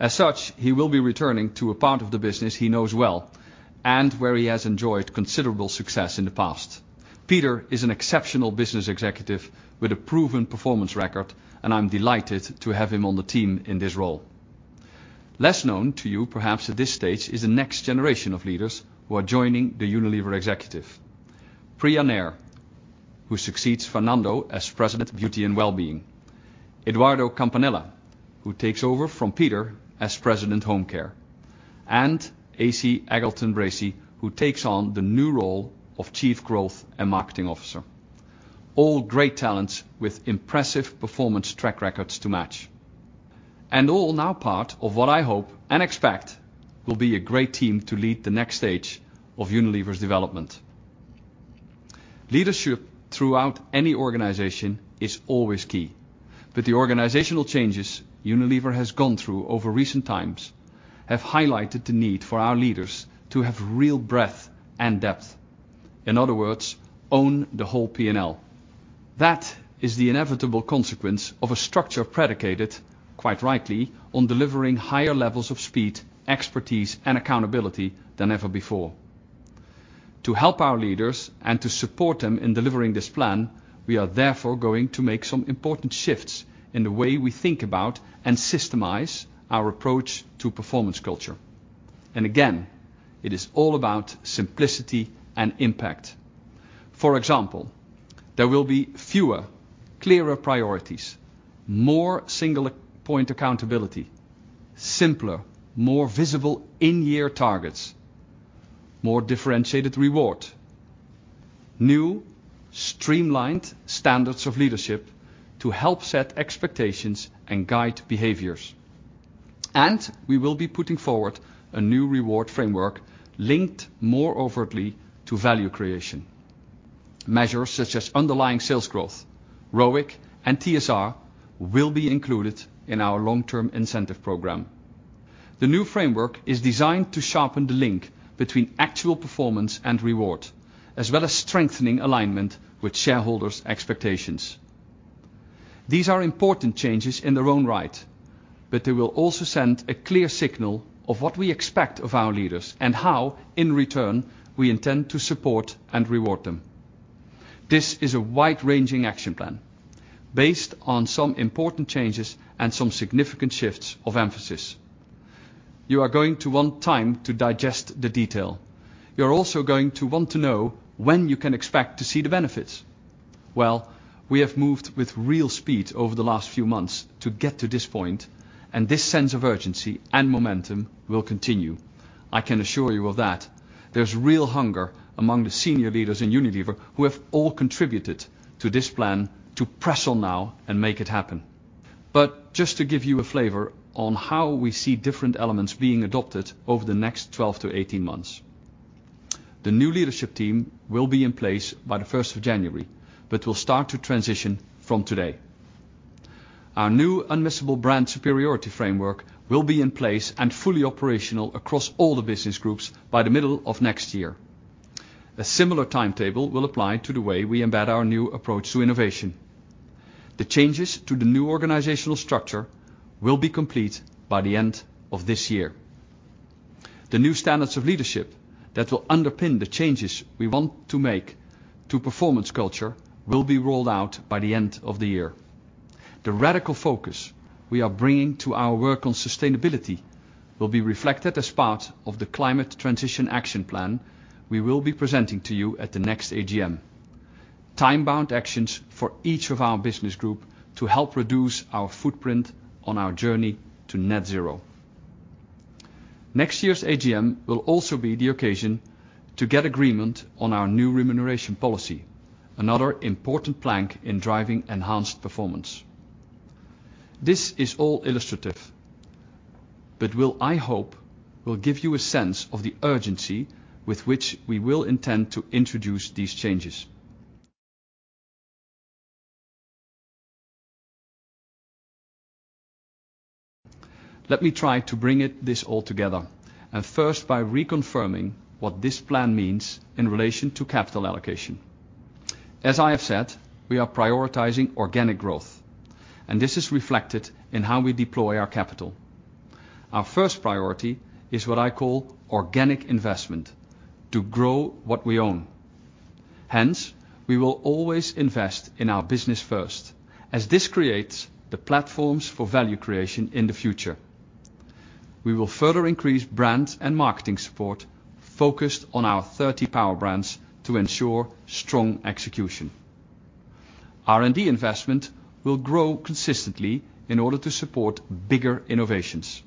As such, he will be returning to a part of the business he knows well and where he has enjoyed considerable success in the past. Peter is an exceptional business executive with a proven performance record, and I'm delighted to have him on the team in this role. Less known to you, perhaps at this stage, is the next generation of leaders who are joining the Unilever executive. Priya Nair, who succeeds Fernando as President, Beauty & Wellbeing. Eduardo Campanella, who takes over from Peter as President, Home Care, and Esi Eggleston Bracey, who takes on the new role of Chief Growth and Marketing Officer. All great talents with impressive performance track records to match, and all now part of what I hope and expect will be a great team to lead the next stage of Unilever's development. Leadership throughout any organization is always key, but the organizational changes Unilever has gone through over recent times have highlighted the need for our leaders to have real breadth and depth. In other words, own the whole P&L. That is the inevitable consequence of a structure predicated, quite rightly, on delivering higher levels of speed, expertise, and accountability than ever before. To help our leaders and to support them in delivering this plan, we are therefore going to make some important shifts in the way we think about and systemize our approach to performance culture. Again, it is all about simplicity and impact. For example, there will be fewer, clearer priorities, more single point accountability, simpler, more visible in-year targets, more differentiated reward, new streamlined standards of leadership to help set expectations and guide behaviors. We will be putting forward a new reward framework linked more overtly to value creation. Measures such as underlying sales growth, ROIC, and TSR will be included in our long-term incentive program. The new framework is designed to sharpen the link between actual performance and reward, as well as strengthening alignment with shareholders' expectations. These are important changes in their own right, but they will also send a clear signal of what we expect of our leaders and how, in return, we intend to support and reward them. This is a wide-ranging action plan based on some important changes and some significant shifts of emphasis. You are going to want time to digest the detail. You're also going to want to know when you can expect to see the benefits. Well, we have moved with real speed over the last few months to get to this point, and this sense of urgency and momentum will continue. I can assure you of that. There's real hunger among the senior leaders in Unilever, who have all contributed to this plan, to press on now and make it happen. But just to give you a flavor on how we see different elements being adopted over the next 12-18 months. The new leadership team will be in place by the first of January, but will start to transition from today. Our new Unmissable Brand Superiority framework will be in place and fully operational across all the business groups by the middle of next year. A similar timetable will apply to the way we embed our new approach to innovation. The changes to the new organizational structure will be complete by the end of this year. The new standards of leadership that will underpin the changes we want to make to performance culture will be rolled out by the end of the year. The radical focus we are bringing to our work on sustainability will be reflected as part of the Climate Transition Action Plan we will be presenting to you at the next AGM. Time-bound actions for each of our business group to help reduce our footprint on our journey to net zero.... Next year's AGM will also be the occasion to get agreement on our new remuneration policy, another important plank in driving enhanced performance. This is all illustrative, but, I hope, will give you a sense of the urgency with which we will intend to introduce these changes. Let me try to bring this all together, and first, by reconfirming what this plan means in relation to capital allocation. As I have said, we are prioritizing organic growth, and this is reflected in how we deploy our capital. Our first priority is what I call organic investment, to grow what we own. Hence, we will always invest in our business first, as this creates the platforms for value creation in the future. We will further increase brand and marketing support, focused on our 30 Power Brands to ensure strong execution. R&D investment will grow consistently in order to support bigger innovations.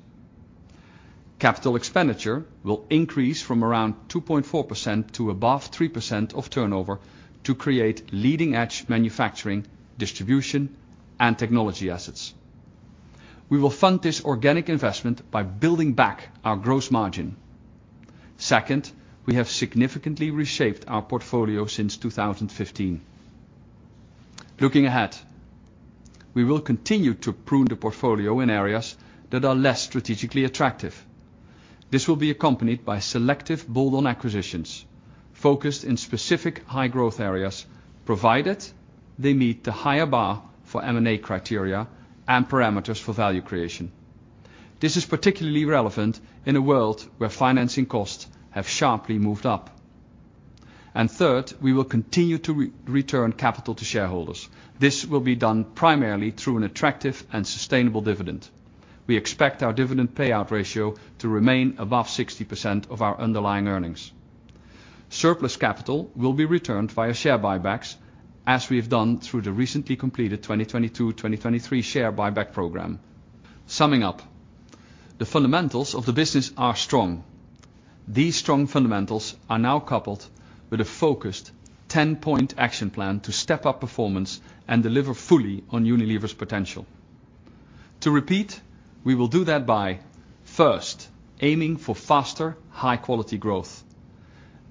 Capital expenditure will increase from around 2.4% to above 3% of turnover to create leading-edge manufacturing, distribution, and technology assets. We will fund this organic investment by building back our gross margin. Second, we have significantly reshaped our portfolio since 2015. Looking ahead, we will continue to prune the portfolio in areas that are less strategically attractive. This will be accompanied by selective build on acquisitions, focused in specific high growth areas, provided they meet the higher bar for M&A criteria and parameters for value creation. This is particularly relevant in a world where financing costs have sharply moved up. Third, we will continue to re-return capital to shareholders. This will be done primarily through an attractive and sustainable dividend. We expect our dividend payout ratio to remain above 60% of our underlying earnings. Surplus capital will be returned via share buybacks, as we have done through the recently completed 2022, 2023 share buyback program. Summing up, the fundamentals of the business are strong. These strong fundamentals are now coupled with a focused 10-point action plan to step up performance and deliver fully on Unilever's potential. To repeat, we will do that by, first, aiming for faster, high quality growth.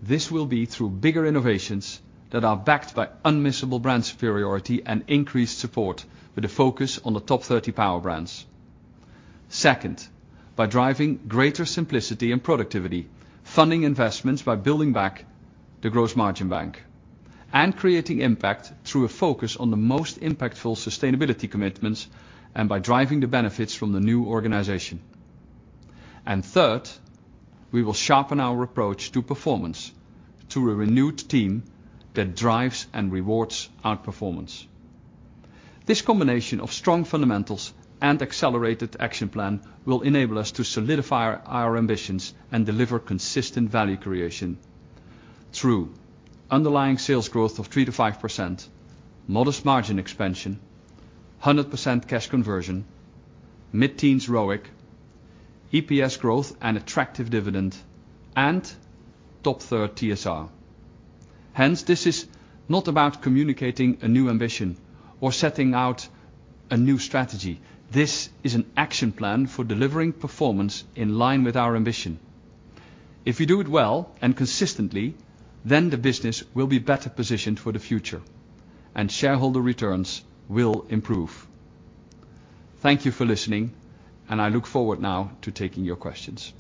This will be through bigger innovations that are backed by Unmissable Brand Superiority and increased support, with a focus on the top 30 Power Brands. Second, by driving greater simplicity and productivity, funding investments by building back the gross margin bank, and creating impact through a focus on the most impactful sustainability commitments, and by driving the benefits from the new organization. And third, we will sharpen our approach to performance through a renewed team that drives and rewards outperformance. This combination of strong fundamentals and accelerated action plan will enable us to solidify our ambitions and deliver consistent value creation through underlying sales growth of 3%-5%, modest margin expansion, 100% cash conversion, mid-teens ROIC, EPS growth and attractive dividend, and top third TSR. Hence, this is not about communicating a new ambition or setting out a new strategy. This is an action plan for delivering performance in line with our ambition. If you do it well and consistently, then the business will be better positioned for the future, and shareholder returns will improve. Thank you for listening, and I look forward now to taking your questions.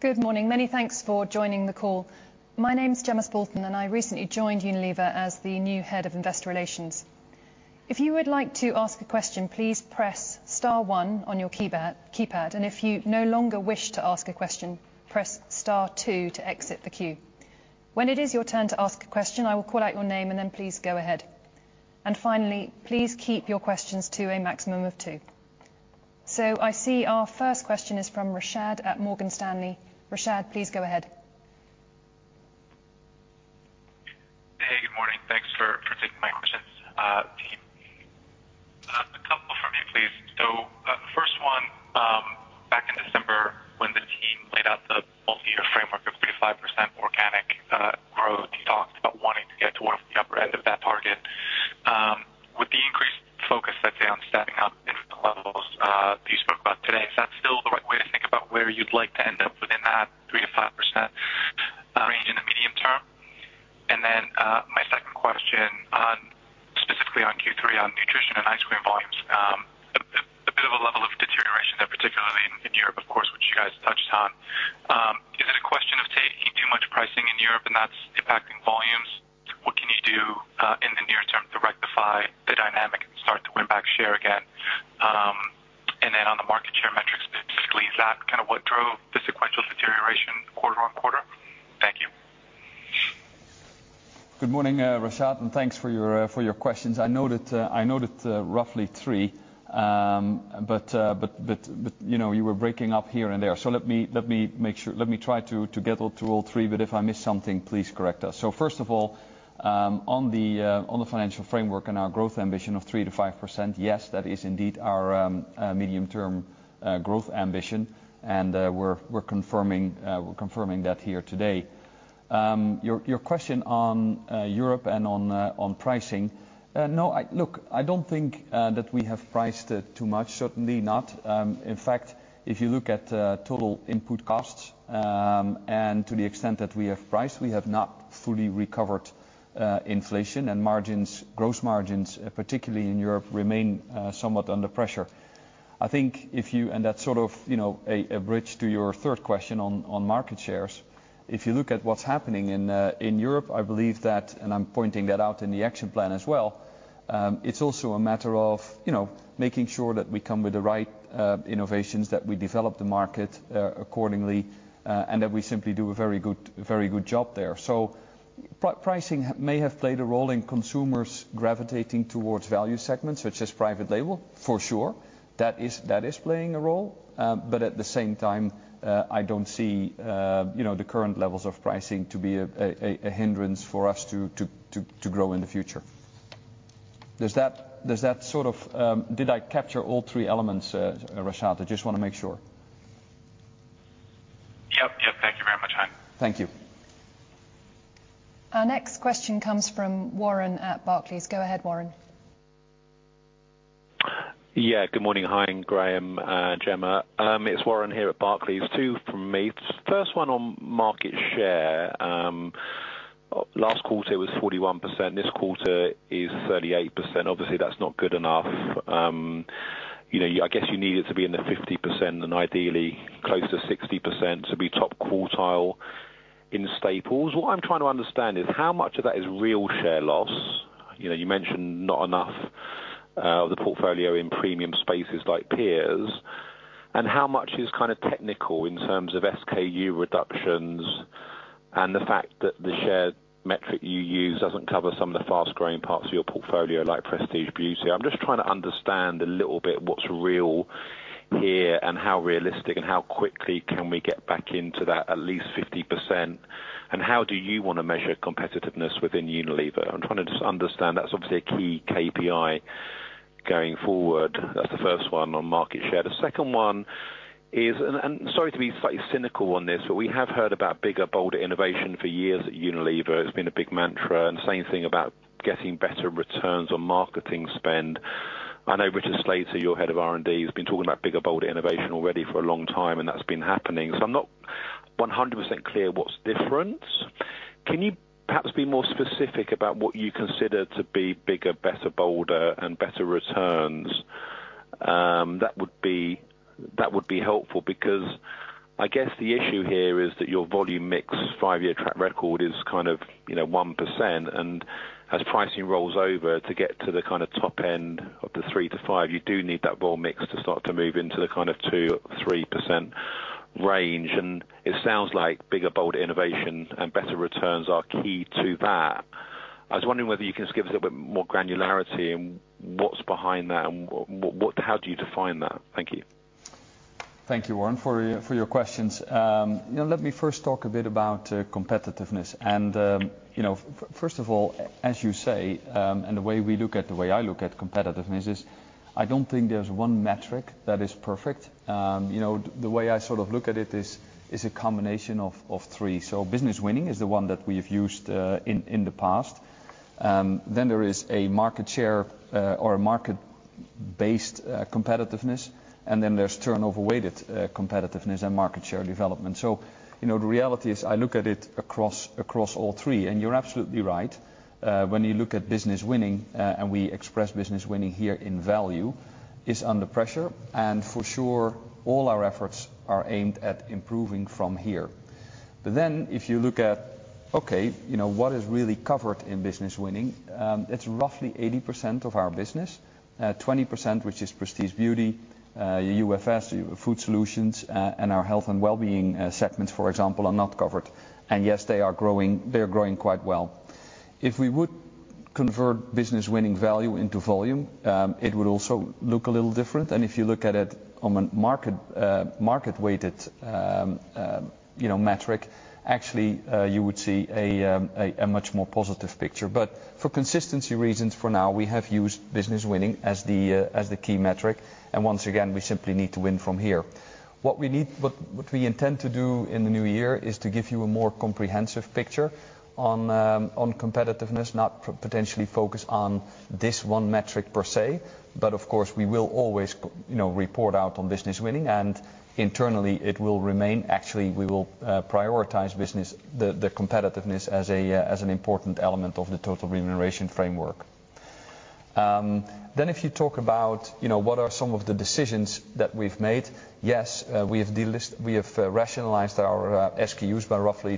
Good morning. Many thanks for joining the call. My name is Jemma Spalton, and I recently joined Unilever as the new head of Investor Relations. If you would like to ask a question, please press star one on your keypad, and if you no longer wish to ask a question, press star two to exit the queue. When it is your turn to ask a question, I will call out your name and then please go ahead. Finally, please keep your questions to a maximum of two. So I see our first question is from Rashad at Morgan Stanley. Rashad, please go ahead. Hey, good morning. Thanks for taking my questions. A couple from me, please. So, the first one, back in December, when the team laid out the multi-year framework of 3%-5% organic growth, you talked about wanting to get towards the upper end of that target. With the increased focus, let's say, on setting up different levels you spoke about today, is that still the right way to think about where you'd like to end up within that 3%-5% range in the medium term? And then, my second question on specifically on Q3, on Nutrition and Ice Cream volumes. A bit of a level of deterioration there, particularly in Europe, of course, which you guys touched on. Is it a question of taking too much pricing in Europe and that's impacting volumes? What can you do in the near term to rectify the dynamic and start to win back share again? And then on the market share metrics, specifically, is that kind of what drove the sequential deterioration quarter-over-quarter? Thank you. Good morning, Rashad, and thanks for your questions. I noted roughly three.... but, you know, you were breaking up here and there, so let me make sure, let me try to get to all three, but if I miss something, please correct us. So first of all, on the financial framework and our growth ambition of 3%-5%, yes, that is indeed our medium-term growth ambition, and we're confirming that here today. Your question on Europe and on pricing, no, I look, I don't think that we have priced it too much, certainly not. In fact, if you look at total input costs, and to the extent that we have priced, we have not fully recovered inflation and margins, gross margins, particularly in Europe, remain somewhat under pressure. I think if you... And that's sort of, you know, a bridge to your third question on market shares. If you look at what's happening in Europe, I believe that, and I'm pointing that out in the action plan as well, it's also a matter of, you know, making sure that we come with the right innovations, that we develop the market accordingly, and that we simply do a very good, very good job there. So pricing may have played a role in consumers gravitating towards value segments, such as private label, for sure. That is, that is playing a role. But at the same time, I don't see, you know, the current levels of pricing to be a hindrance for us to grow in the future. Does that sort of... Did I capture all three elements, Rashad? I just want to make sure. Yep, yep. Thank you very much, Hein. Thank you. Our next question comes from Warren at Barclays. Go ahead, Warren. Yeah, good morning, Hein, Graeme, Jemma. It's Warren here at Barclays. Two from me. First one on market share. Last quarter was 41%, this quarter is 38%. Obviously, that's not good enough. You know, I guess you need it to be in the 50% and ideally closer to 60% to be top quartile in staples. What I'm trying to understand is how much of that is real share loss. You know, you mentioned not enough of the portfolio in premium spaces like peers, and how much is kind of technical in terms of SKU reductions and the fact that the share metric you use doesn't cover some of the fast-growing parts of your portfolio, like Prestige Beauty. I'm just trying to understand a little bit what's real here and how realistic and how quickly can we get back into that at least 50%, and how do you want to measure competitiveness within Unilever? I'm trying to just understand. That's obviously a key KPI going forward. That's the first one on market share. The second one is, and, and sorry to be slightly cynical on this, but we have heard about bigger, bolder innovation for years at Unilever. It's been a big mantra, and same thing about getting better returns on marketing spend. I know Richard Slater, your head of R&D, has been talking about bigger, bolder innovation already for a long time, and that's been happening, so I'm not 100% clear what's different. Can you perhaps be more specific about what you consider to be bigger, better, bolder and better returns? That would be, that would be helpful, because I guess the issue here is that your volume mix five-year track record is kind of, you know, 1%, and as pricing rolls over, to get to the kind of top end of the 3%-5%, you do need that vol mix to start to move into the kind of 2%-3% range. And it sounds like bigger, bolder innovation and better returns are key to that. I was wondering whether you can just give us a little bit more granularity in what's behind that and what, how do you define that? Thank you. Thank you, Warren, for your questions. You know, let me first talk a bit about competitiveness. You know, first of all, as you say, and the way we look at, the way I look at competitiveness is, I don't think there's one metric that is perfect. You know, the way I sort of look at it is a combination of three. So business winning is the one that we've used in the past. Then there is a market share or a market-based competitiveness, and then there's turnover-weighted competitiveness and market share development. So, you know, the reality is I look at it across all three, and you're absolutely right. When you look at business winning, and we express business winning here in value, it's under pressure, and for sure, all our efforts are aimed at improving from here. But then, if you look at, okay, you know, what is really covered in business winning, it's roughly 80% of our business. Twenty percent, which is Prestige Beauty, UFS, Food Solutions, and our Health & Wellbeing, segments, for example, are not covered. And yes, they are growing, they're growing quite well. If we would convert business winning value into volume, it would also look a little different, and if you look at it on a market, market-weighted, you know, metric, actually, you would see a much more positive picture. But for consistency reasons, for now, we have used Business Winning as the, as the key metric, and once again, we simply need to win from here. What we need, what we intend to do in the new year is to give you a more comprehensive picture on, on competitiveness, not potentially focus on this one metric per se, but of course, we will always, you know, report out on Business Winning, and internally, it will remain... Actually, we will, prioritize business, the competitiveness as a, as an important element of the total remuneration framework. Then if you talk about, you know, what are some of the decisions that we've made, yes, we have rationalized our SKUs by roughly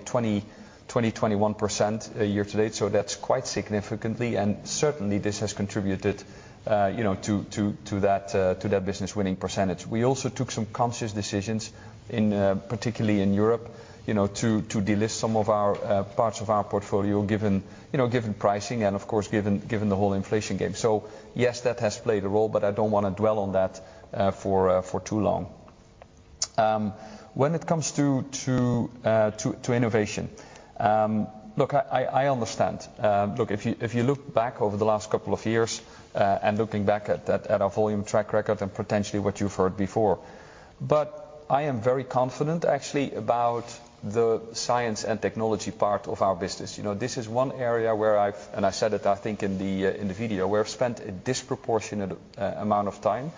20%-21%, year to date, so that's quite significantly, and certainly, this has contributed, you know, to that business-winning percentage. We also took some conscious decisions in, particularly in Europe, you know, to delist some of our parts of our portfolio, given, you know, given pricing and, of course, given the whole inflation game. So yes, that has played a role, but I don't want to dwell on that, for too long... When it comes to innovation, look, I understand. Look, if you look back over the last couple of years, and looking back at that, at our volume track record and potentially what you've heard before, but I am very confident actually about the science and technology part of our business. You know, this is one area where I've and I said it, I think, in the video, where I've spent a disproportionate amount of time,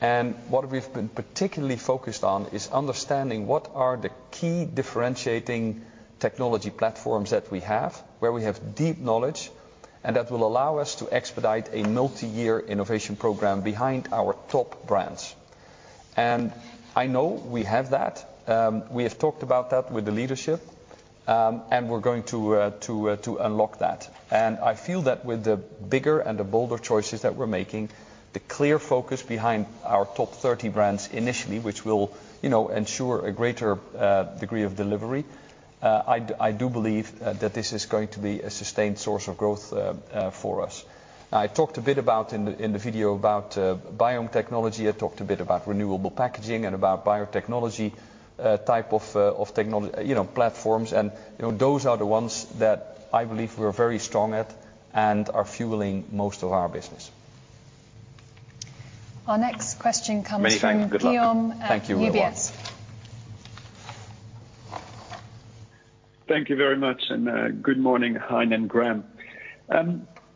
and what we've been particularly focused on is understanding what are the key differentiating technology platforms that we have, where we have deep knowledge, and that will allow us to expedite a multi-year innovation program behind our top brands. And I know we have that. We have talked about that with the leadership, and we're going to unlock that. I feel that with the bigger and the bolder choices that we're making, the clear focus behind our top 30 brands initially, which will, you know, ensure a greater degree of delivery. I do believe that this is going to be a sustained source of growth for us. I talked a bit about, in the video, about biome technology. I talked a bit about renewable packaging and about biotechnology type of technology platforms. And, you know, those are the ones that I believe we're very strong at and are fueling most of our business. Our next question comes from- Many thanks, and good luck. Guillaume at UBS. Thank you very much. Thank you very much, and, good morning, Hein and Graeme.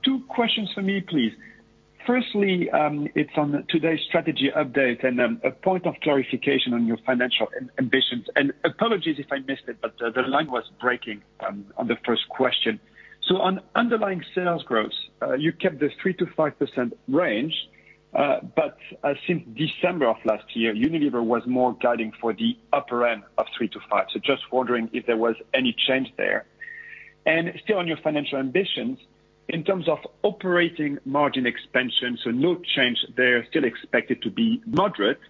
Two questions for me, please. Firstly, it's on today's strategy update and, a point of clarification on your financial ambitions. And apologies if I missed it, but, the line was breaking, on the first question. So on underlying sales growth, you kept this 3%-5% range, but, since December of last year, Unilever was more guiding for the upper end of 3%-5%. So just wondering if there was any change there? And still on your financial ambitions, in terms of operating margin expansion, so no change there, still expected to be moderate,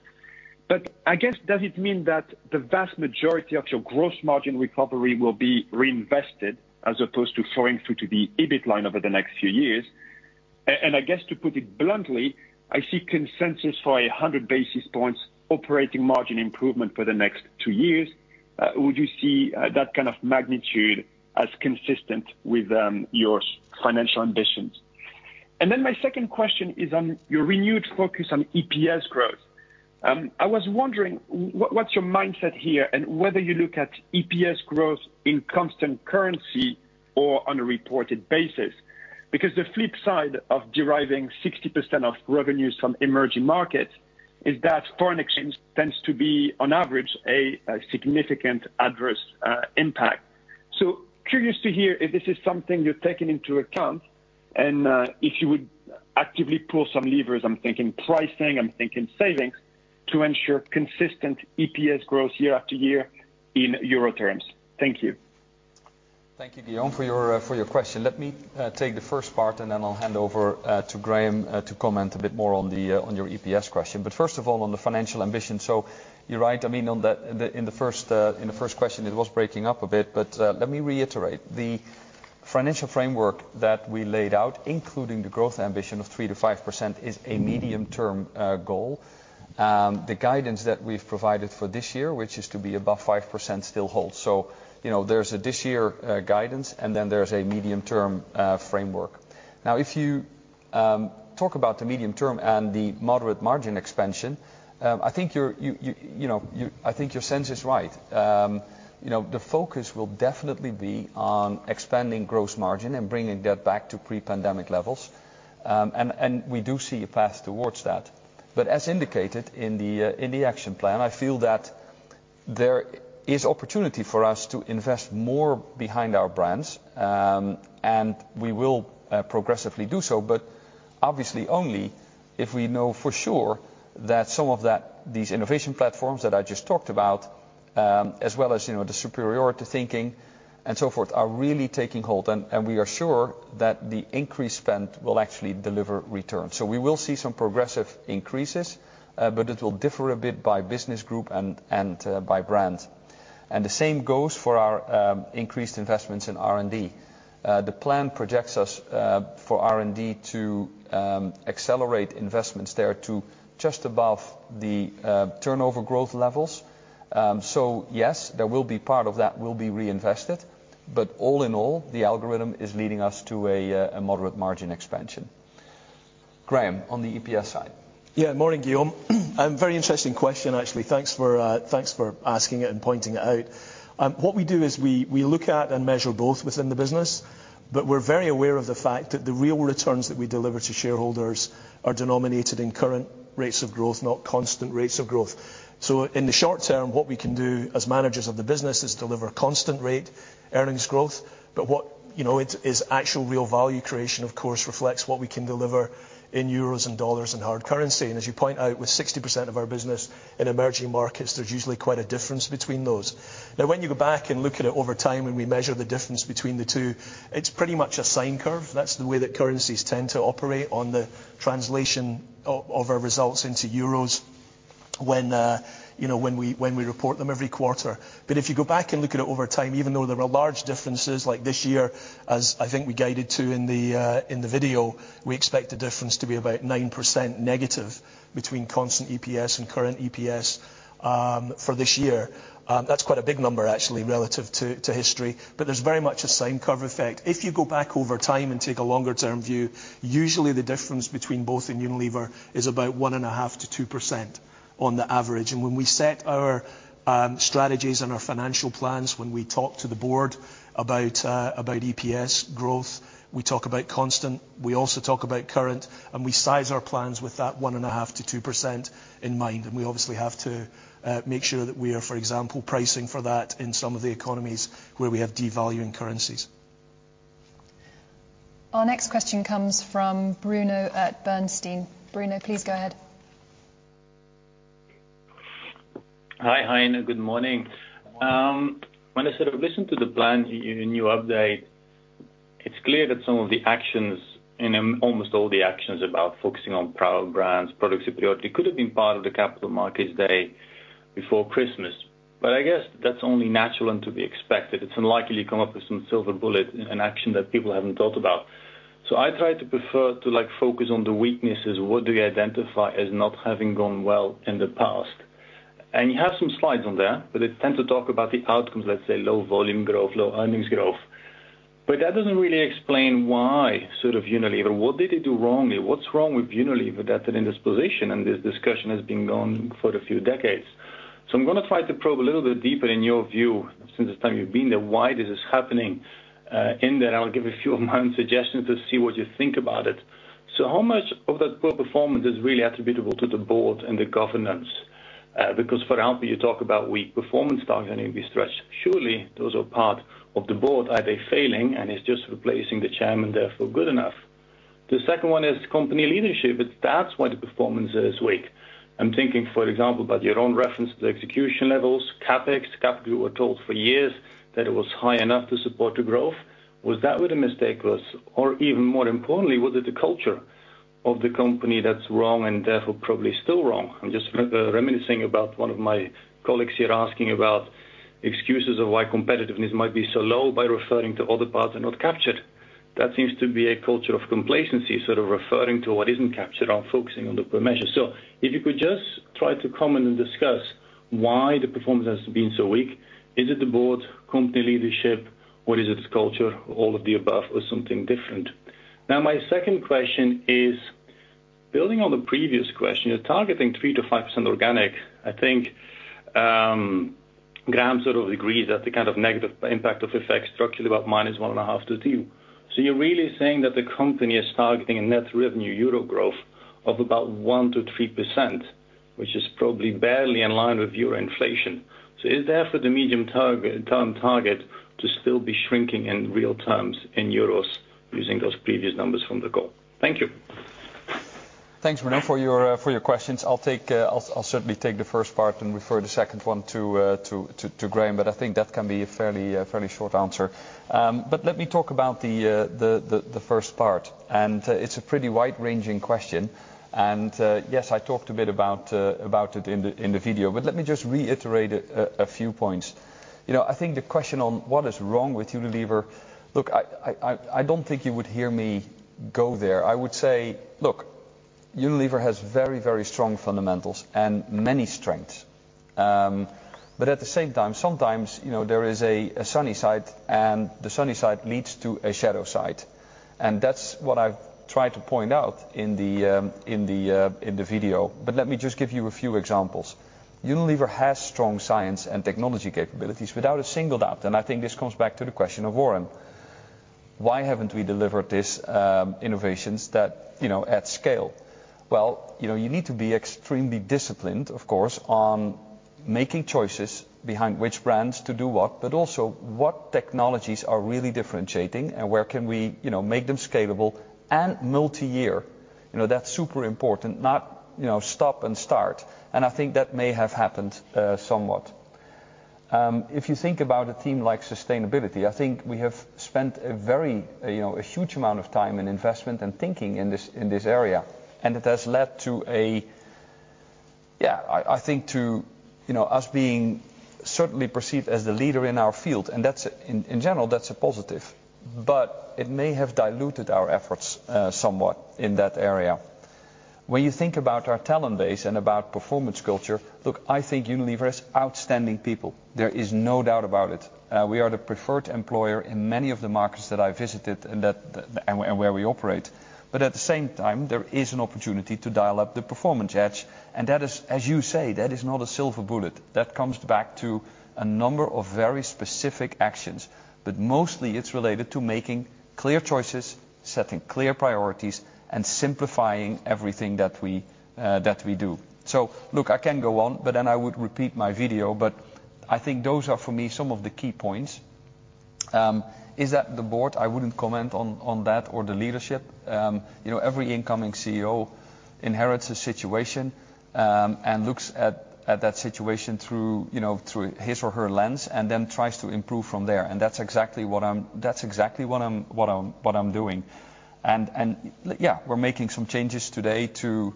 but I guess, does it mean that the vast majority of your gross margin recovery will be reinvested, as opposed to flowing through to the EBIT line over the next few years? And I guess, to put it bluntly, I see consensus for 100 basis points operating margin improvement for the next two years. Would you see that kind of magnitude as consistent with your financial ambitions? And then my second question is on your renewed focus on EPS growth. I was wondering what's your mindset here, and whether you look at EPS growth in constant currency or on a reported basis? Because the flip side of deriving 60% of revenues from emerging markets is that foreign exchange tends to be, on average, a significant adverse impact. So curious to hear if this is something you're taking into account, and if you would actively pull some levers, I'm thinking pricing, I'm thinking savings, to ensure consistent EPS growth year after year in euro terms. Thank you. Thank you, Guillaume, for your question. Let me take the first part, and then I'll hand over to Graeme to comment a bit more on your EPS question. But first of all, on the financial ambition, so you're right. I mean, on the first question, it was breaking up a bit, but let me reiterate. The financial framework that we laid out, including the growth ambition of 3%-5%, is a medium-term goal. The guidance that we've provided for this year, which is to be above 5%, still holds. So, you know, there's a this year guidance, and then there's a medium-term framework. Now, if you talk about the medium term and the moderate margin expansion, I think you're, you know, I think your sense is right. You know, the focus will definitely be on expanding gross margin and bringing that back to pre-pandemic levels. And we do see a path towards that. But as indicated in the action plan, I feel that there is opportunity for us to invest more behind our brands, and we will progressively do so, but obviously only if we know for sure that some of that, these innovation platforms that I just talked about, as well as, you know, the superiority thinking and so forth, are really taking hold. And we are sure that the increased spend will actually deliver returns. So we will see some progressive increases, but it will differ a bit by business group and by brand. And the same goes for our increased investments in R&D. The plan projects us for R&D to accelerate investments there to just above the turnover growth levels. So yes, there will be part of that will be reinvested, but all in all, the algorithm is leading us to a moderate margin expansion. Graeme, on the EPS side. Yeah. Morning, Guillaume. Very interesting question, actually. Thanks for asking it and pointing it out. What we do is we look at and measure both within the business, but we're very aware of the fact that the real returns that we deliver to shareholders are denominated in current rates of growth, not constant rates of growth. So in the short term, what we can do as managers of the business is deliver constant rate earnings growth, but what you know it is actual real value creation, of course, reflects what we can deliver in euros and dollars in hard currency. As you point out, with 60% of our business in emerging markets, there's usually quite a difference between those. Now, when you go back and look at it over time, when we measure the difference between the two, it's pretty much a sine curve. That's the way that currencies tend to operate on the translation of our results into euros.... when, you know, when we, when we report them every quarter. But if you go back and look at it over time, even though there are large differences, like this year, as I think we guided to in the, in the video, we expect the difference to be about 9% negative between constant EPS and current EPS, for this year. That's quite a big number, actually, relative to, to history, but there's very much a sine curve effect. If you go back over time and take a longer-term view, usually the difference between both in Unilever is about 1.5%-2% on the average. When we set our strategies and our financial plans, when we talk to the board about EPS growth, we talk about constant, we also talk about current, and we size our plans with that 1.5%-2% in mind. We obviously have to make sure that we are, for example, pricing for that in some of the economies where we have devaluing currencies. Our next question comes from Bruno at Bernstein. Bruno, please go ahead. Hi, Hein. Good morning. When I sort of listened to the plan, your new update, it's clear that some of the actions, and almost all the actions, about focusing on Power Brands, product superiority, could have been part of the capital markets day before Christmas. But I guess that's only natural and to be expected. It's unlikely to come up with some silver bullet, an action that people haven't thought about. So I try to prefer to, like, focus on the weaknesses. What do you identify as not having gone well in the past? And you have some slides on there, but they tend to talk about the outcomes, let's say, low volume growth, low earnings growth. But that doesn't really explain why, sort of, Unilever... What did it do wrongly? What's wrong with Unilever that they're in this position? This discussion has been going on for a few decades. I'm gonna try to probe a little bit deeper in your view, since the time you've been there, why this is happening in there. I'll give a few of my own suggestions to see what you think about it. How much of that poor performance is really attributable to the board and the governance? Because for example, you talk about weak performance targets and you stretch. Surely, those are part of the board, are they failing, and is just replacing the chairman therefore good enough? The second one is company leadership, if that's why the performance is weak. I'm thinking, for example, about your own reference to the execution levels, CapEx. You were told for years that it was high enough to support the growth. Was that where the mistake was? Or even more importantly, was it the culture of the company that's wrong and therefore probably still wrong? I'm just reminiscing about one of my colleagues here asking about excuses of why competitiveness might be so low by referring to other parts and not captured. That seems to be a culture of complacency, sort of referring to what isn't captured on focusing on the measures. So if you could just try to comment and discuss why the performance has been so weak. Is it the board, company leadership, or is it the culture, all of the above, or something different? Now, my second question is, building on the previous question, you're targeting 3%-5% organic. I think, Graeme sort of agrees that the kind of negative impact of effect structurally about -1.5 to -2. You're really saying that the company is targeting a net revenue euro growth of about 1%-3%, which is probably barely in line with euro inflation. Is that for the medium-term target to still be shrinking in real terms in euros, using those previous numbers from the get-go? Thank you. Thanks, Bruno, for your questions. I'll certainly take the first part and refer the second one to Graeme, but I think that can be a fairly short answer. But let me talk about the first part, and it's a pretty wide-ranging question. And, yes, I talked a bit about it in the video, but let me just reiterate a few points. You know, I think the question on what is wrong with Unilever? Look, I don't think you would hear me go there. I would say, look, Unilever has very, very strong fundamentals and many strengths. But at the same time, sometimes, you know, there is a sunny side, and the sunny side leads to a shadow side. That's what I've tried to point out in the video. But let me just give you a few examples. Unilever has strong science and technology capabilities without a single doubt, and I think this comes back to the question of Warren. Why haven't we delivered this innovations that, you know, at scale? Well, you know, you need to be extremely disciplined, of course, on making choices behind which brands to do what, but also what technologies are really differentiating and where can we, you know, make them scalable and multi-year. You know, that's super important. Not, you know, stop and start, and I think that may have happened somewhat. If you think about a theme like sustainability, I think we have spent a very, you know, a huge amount of time and investment and thinking in this, in this area, and it has led to a... Yeah, I think to, you know, us being certainly perceived as the leader in our field, and that's, in, in general, that's a positive, but it may have diluted our efforts somewhat in that area. When you think about our talent base and about performance culture, look, I think Unilever has outstanding people. There is no doubt about it. We are the preferred employer in many of the markets that I visited and that, and where we operate. But at the same time, there is an opportunity to dial up the performance edge, and that is, as you say, that is not a silver bullet. That comes back to a number of very specific actions, but mostly it's related to making clear choices, setting clear priorities, and simplifying everything that we, that we do. So look, I can go on, but then I would repeat my video, but I think those are, for me, some of the key points. Is that the board? I wouldn't comment on, on that or the leadership. You know, every incoming CEO inherits a situation, and looks at, at that situation through, you know, through his or her lens and then tries to improve from there. That's exactly what I'm doing. And yeah, we're making some changes today to,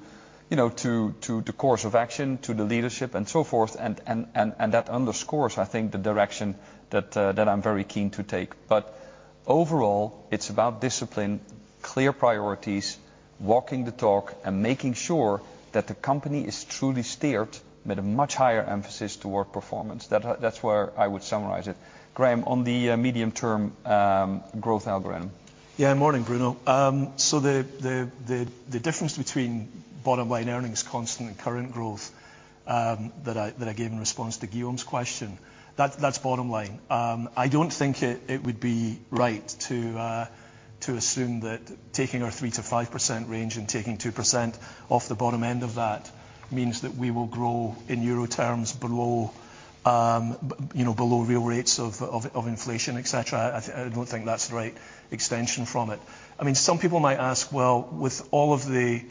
you know, to the course of action, to the leadership and so forth, and that underscores, I think, the direction that I'm very keen to take. But overall, it's about discipline, clear priorities, walking the talk, and making sure that the company is truly steered with a much higher emphasis toward performance. That's where I would summarize it. Graeme, on the medium-term growth algorithm. Yeah, morning, Bruno. So the difference between bottom line earnings constant and current growth that I gave in response to Guillaume's question, that's bottom line. I don't think it would be right to assume that taking our 3%-5% range and taking 2% off the bottom end of that means that we will grow in euro terms below, you know, below real rates of inflation, et cetera. I don't think that's the right extension from it. I mean, some people might ask, well, with all of the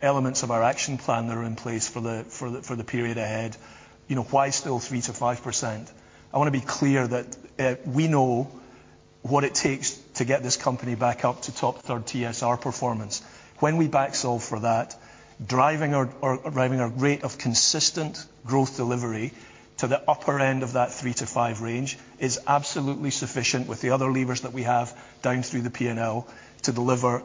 elements of our action plan that are in place for the period ahead, you know, why still 3%-5%? I want to be clear that we know what it takes to get this company back up to top third TSR performance. When we backsolve for that, driving our rate of consistent growth delivery to the upper end of that three to five range is absolutely sufficient with the other levers that we have down through the P&L to deliver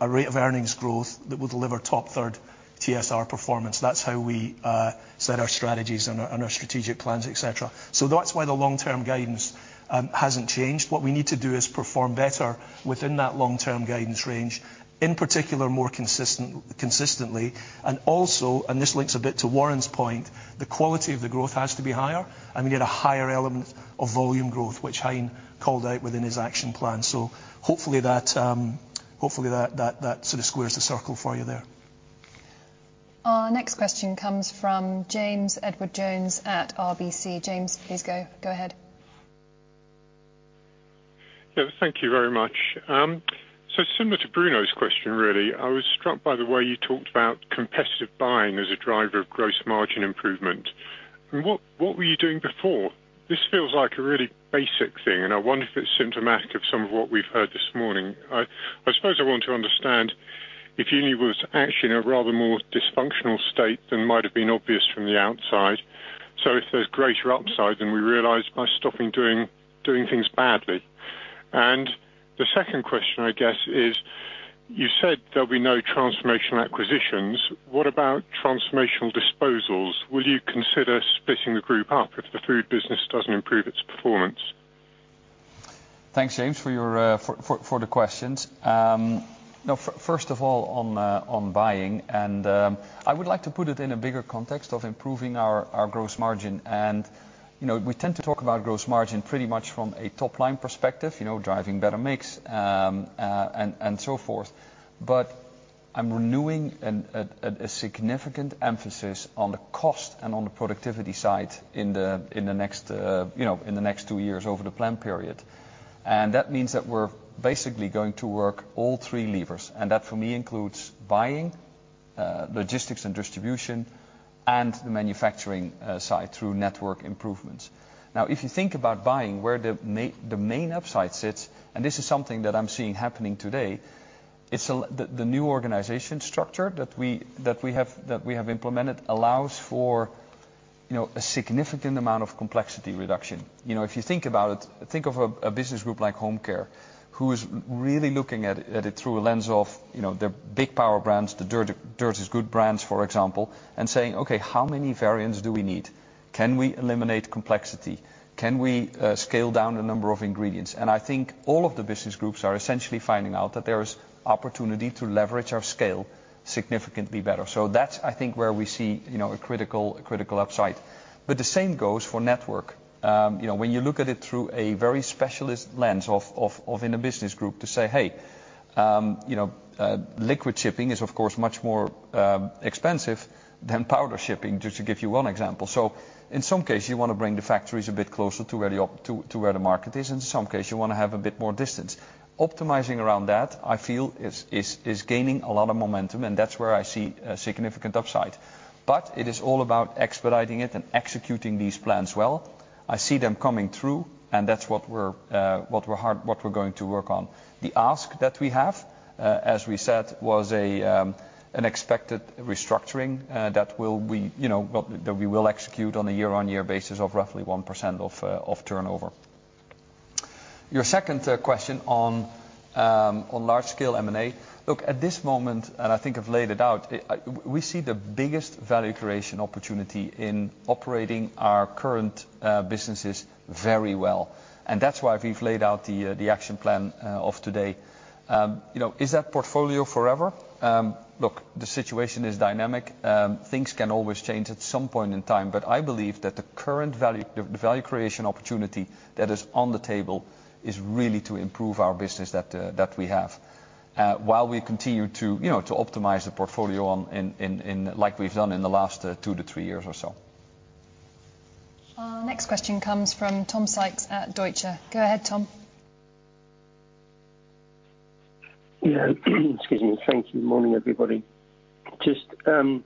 a rate of earnings growth that will deliver top third TSR performance. That's how we set our strategies and our strategic plans, et cetera. So that's why the long-term guidance hasn't changed. What we need to do is perform better within that long-term guidance range, in particular, more consistently. This links a bit to Warren's point, the quality of the growth has to be higher, and we get a higher element of volume growth, which Hein called out within his action plan. So hopefully that sort of squares the circle for you there. Our next question comes from James Edwardes Jones at RBC. James, please go. Go ahead. Yeah, thank you very much. So similar to Bruno's question, really, I was struck by the way you talked about competitive buying as a driver of gross margin improvement. What were you doing before? This feels like a really basic thing, and I wonder if it's symptomatic of some of what we've heard this morning. I suppose I want to understand if Uni was actually in a rather more dysfunctional state than might have been obvious from the outside. So if there's greater upside than we realized by stopping doing things badly. And the second question, I guess, is you said there'll be no transformational acquisitions. What about transformational disposals? Will you consider splitting the group up if the food business doesn't improve its performance? Thanks, James, for your questions. Now, first of all, on buying, and I would like to put it in a bigger context of improving our gross margin. And, you know, we tend to talk about gross margin pretty much from a top-line perspective, you know, driving better mix, and so forth. But I'm renewing a significant emphasis on the cost and on the productivity side in the next, you know, in the next two years over the plan period. And that means that we're basically going to work all three levers, and that, for me, includes buying, logistics and distribution, and the manufacturing side through network improvements. Now, if you think about buying, where the main upside sits, and this is something that I'm seeing happening today, it's a... The new organization structure that we, that we have, that we have implemented allows for, you know, a significant amount of complexity reduction. You know, if you think about it, think of a, a business group like Home Care, who is really looking at it, at it through a lens of, you know, the big Power Brands, the Dirt Is Good brands, for example, and saying, "Okay, how many variants do we need? Can we eliminate complexity? Can we scale down the number of ingredients?" And I think all of the business groups are essentially finding out that there is opportunity to leverage our scale significantly better. So that's, I think, where we see, you know, a critical, a critical upside. But the same goes for network. You know, when you look at it through a very specialist lens of, of, of in a business group to say, "Hey, you know, liquid shipping is, of course, much more expensive than powder shipping," just to give you one example. So in some cases, you want to bring the factories a bit closer to where the to, to where the market is, and in some cases, you want to have a bit more distance. Optimizing around that, I feel, is gaining a lot of momentum, and that's where I see a significant upside. But it is all about expediting it and executing these plans well. I see them coming through, and that's what we're what we're going to work on. The ask that we have, as we said, was an expected restructuring that we will execute on a year-on-year basis of roughly 1% of turnover. Your second question on large-scale M&A. Look, at this moment, and I think I've laid it out, we see the biggest value creation opportunity in operating our current businesses very well, and that's why we've laid out the action plan of today. You know, is that portfolio forever? Look, the situation is dynamic. Things can always change at some point in time, but I believe that the current value, the value creation opportunity that is on the table is really to improve our business that we have while we continue to, you know, to optimize the portfolio ongoing like we've done in the last two to three years or so. Our next question comes from Tom Sykes at Deutsche. Go ahead, Tom. Yeah. Excuse me. Thank you. Morning, everybody. Just going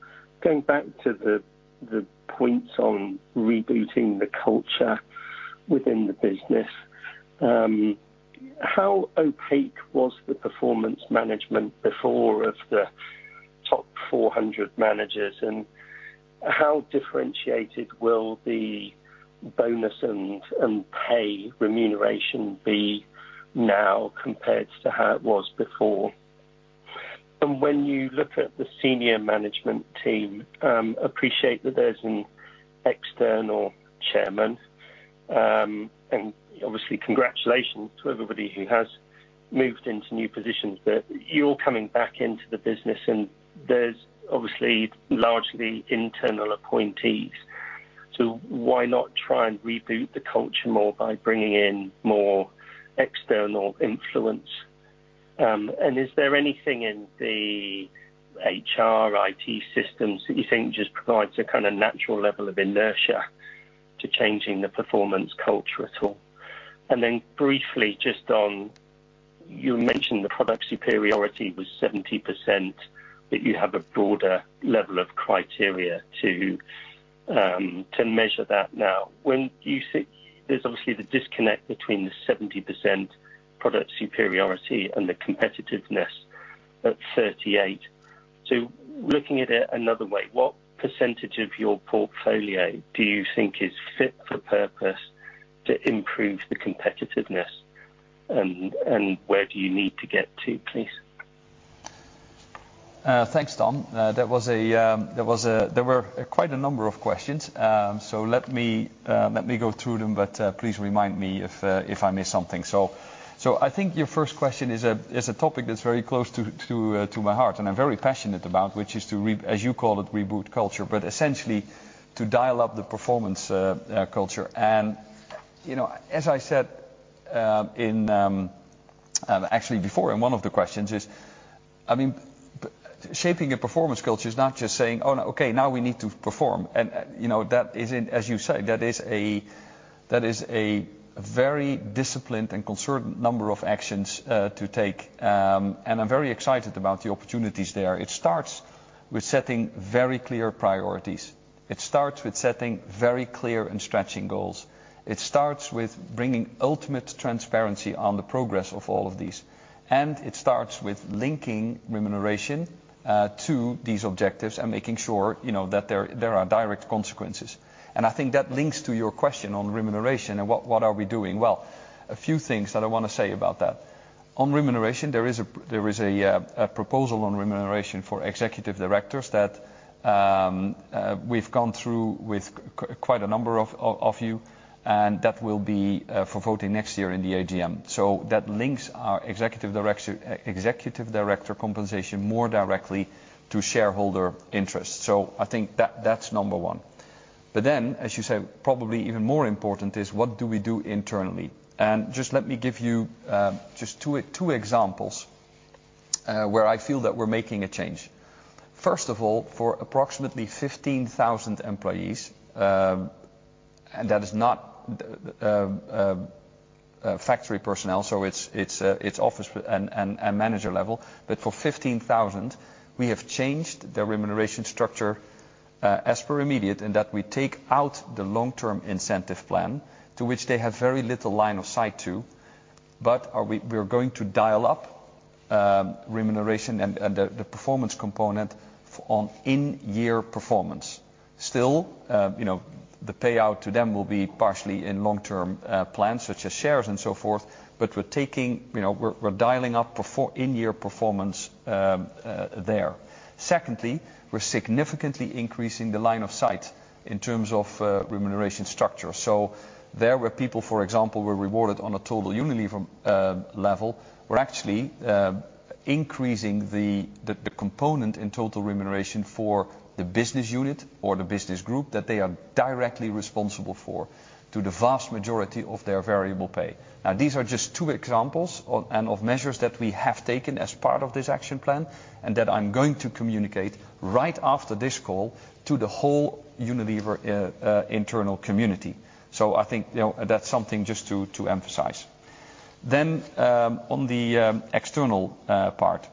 back to the points on rebooting the culture within the business, how opaque was the performance management before of the top 400 managers? And how differentiated will the bonus and pay remuneration be now compared to how it was before? And when you look at the senior management team, appreciate that there's an external chairman, and obviously congratulations to everybody who has moved into new positions, but you're coming back into the business, and there's obviously largely internal appointees. So why not try and reboot the culture more by bringing in more external influence? And is there anything in the HR, IT systems that you think just provides a kind of natural level of inertia to changing the performance culture at all? Then briefly, just on, you mentioned the product superiority was 70%, that you have a broader level of criteria to measure that now. When you see, there's obviously the disconnect between the 70% product superiority and the competitiveness at 38%. So looking at it another way, what percentage of your portfolio do you think is fit for purpose to improve the competitiveness, and where do you need to get to, please? Thanks, Tom. That was a, there were quite a number of questions. So let me go through them, but please remind me if I miss something. So I think your first question is a topic that's very close to my heart, and I'm very passionate about, which is to re- as you called it, reboot culture, but essentially to dial up the performance culture. And you know, as I said actually before in one of the questions, I mean, shaping a performance culture is not just saying, "Oh, okay, now we need to perform." And you know, that isn't, as you say, that is a very disciplined and concerned number of actions to take. And I'm very excited about the opportunities there. It starts with setting very clear priorities. It starts with setting very clear and stretching goals. It starts with bringing ultimate transparency on the progress of all of these. And it starts with linking remuneration to these objectives and making sure, you know, that there, there are direct consequences. And I think that links to your question on remuneration and what, what are we doing? Well, a few things that I want to say about that. On remuneration, there is a proposal on remuneration for executive directors that we've gone through with quite a number of you, and that will be for voting next year in the AGM. So that links our executive director compensation more directly to shareholder interest. So I think that's number one. But then, as you say, probably even more important is what do we do internally? And just let me give you just two examples where I feel that we're making a change. First of all, for approximately 15,000 employees, and that is not factory personnel, so it's it's it's office and and and manager level, but for 15,000, we have changed the remuneration structure as per immediate, in that we take out the long-term incentive plan, to which they have very little line of sight to, but we're going to dial up remuneration and and the the performance component on in-year performance. Still, you know, the payout to them will be partially in long-term plans, such as shares and so forth, but we're taking, you know, we're dialing up performance in-year there. Secondly, we're significantly increasing the line of sight in terms of remuneration structure. So there, where people, for example, were rewarded on a total Unilever level, we're actually increasing the component in total remuneration for the business unit or the business group that they are directly responsible for to the vast majority of their variable pay. Now, these are just two examples of measures that we have taken as part of this action plan and that I'm going to communicate right after this call to the whole Unilever internal community. So I think, you know, that's something just to emphasize. Then, on the external part,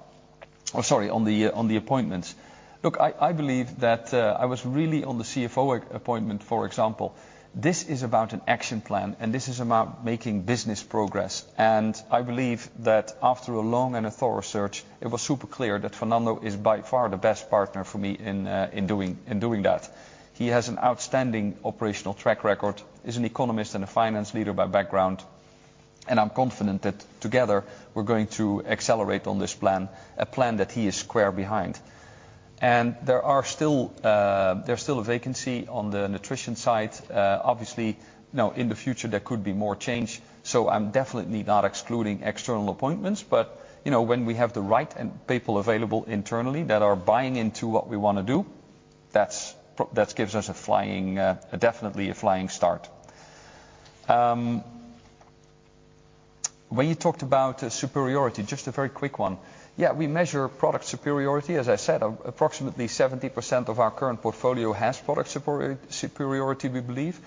or sorry, on the appointments. Look, I believe that I was really on the CFO appointment, for example, this is about an action plan, and this is about making business progress. And I believe that after a long and a thorough search, it was super clear that Fernando is by far the best partner for me in doing that. He has an outstanding operational track record, is an economist and a finance leader by background, and I'm confident that together, we're going to accelerate on this plan, a plan that he is square behind. And there are still, there's still a vacancy on the Nutrition side. Obviously, you know, in the future, there could be more change, so I'm definitely not excluding external appointments. But, you know, when we have the right people available internally that are buying into what we want to do, that's that gives us a flying, definitely a flying start. When you talked about superiority, just a very quick one. Yeah, we measure product superiority. As I said, approximately 70% of our current portfolio has product superiority, we believe,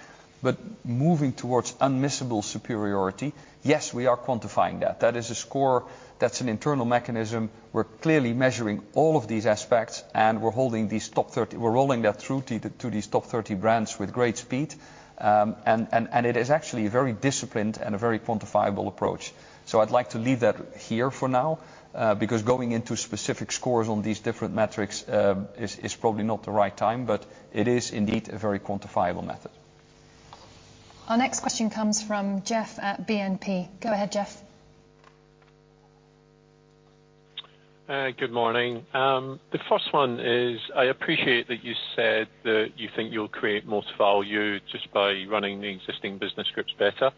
but moving towards unmissable superiority, yes, we are quantifying that. That is a score, that's an internal mechanism. We're clearly measuring all of these aspects, and we're holding these top 30 we're rolling that through to, to these top 30 brands with great speed, and it is actually a very disciplined and a very quantifiable approach. So I'd like to leave that here for now, because going into specific scores on these different metrics is probably not the right time, but it is indeed a very quantifiable method. Our next question comes from Jeff at BNP. Go ahead, Jeff. Good morning. The first one is, I appreciate that you said that you think you'll create most value just by running the existing business groups better.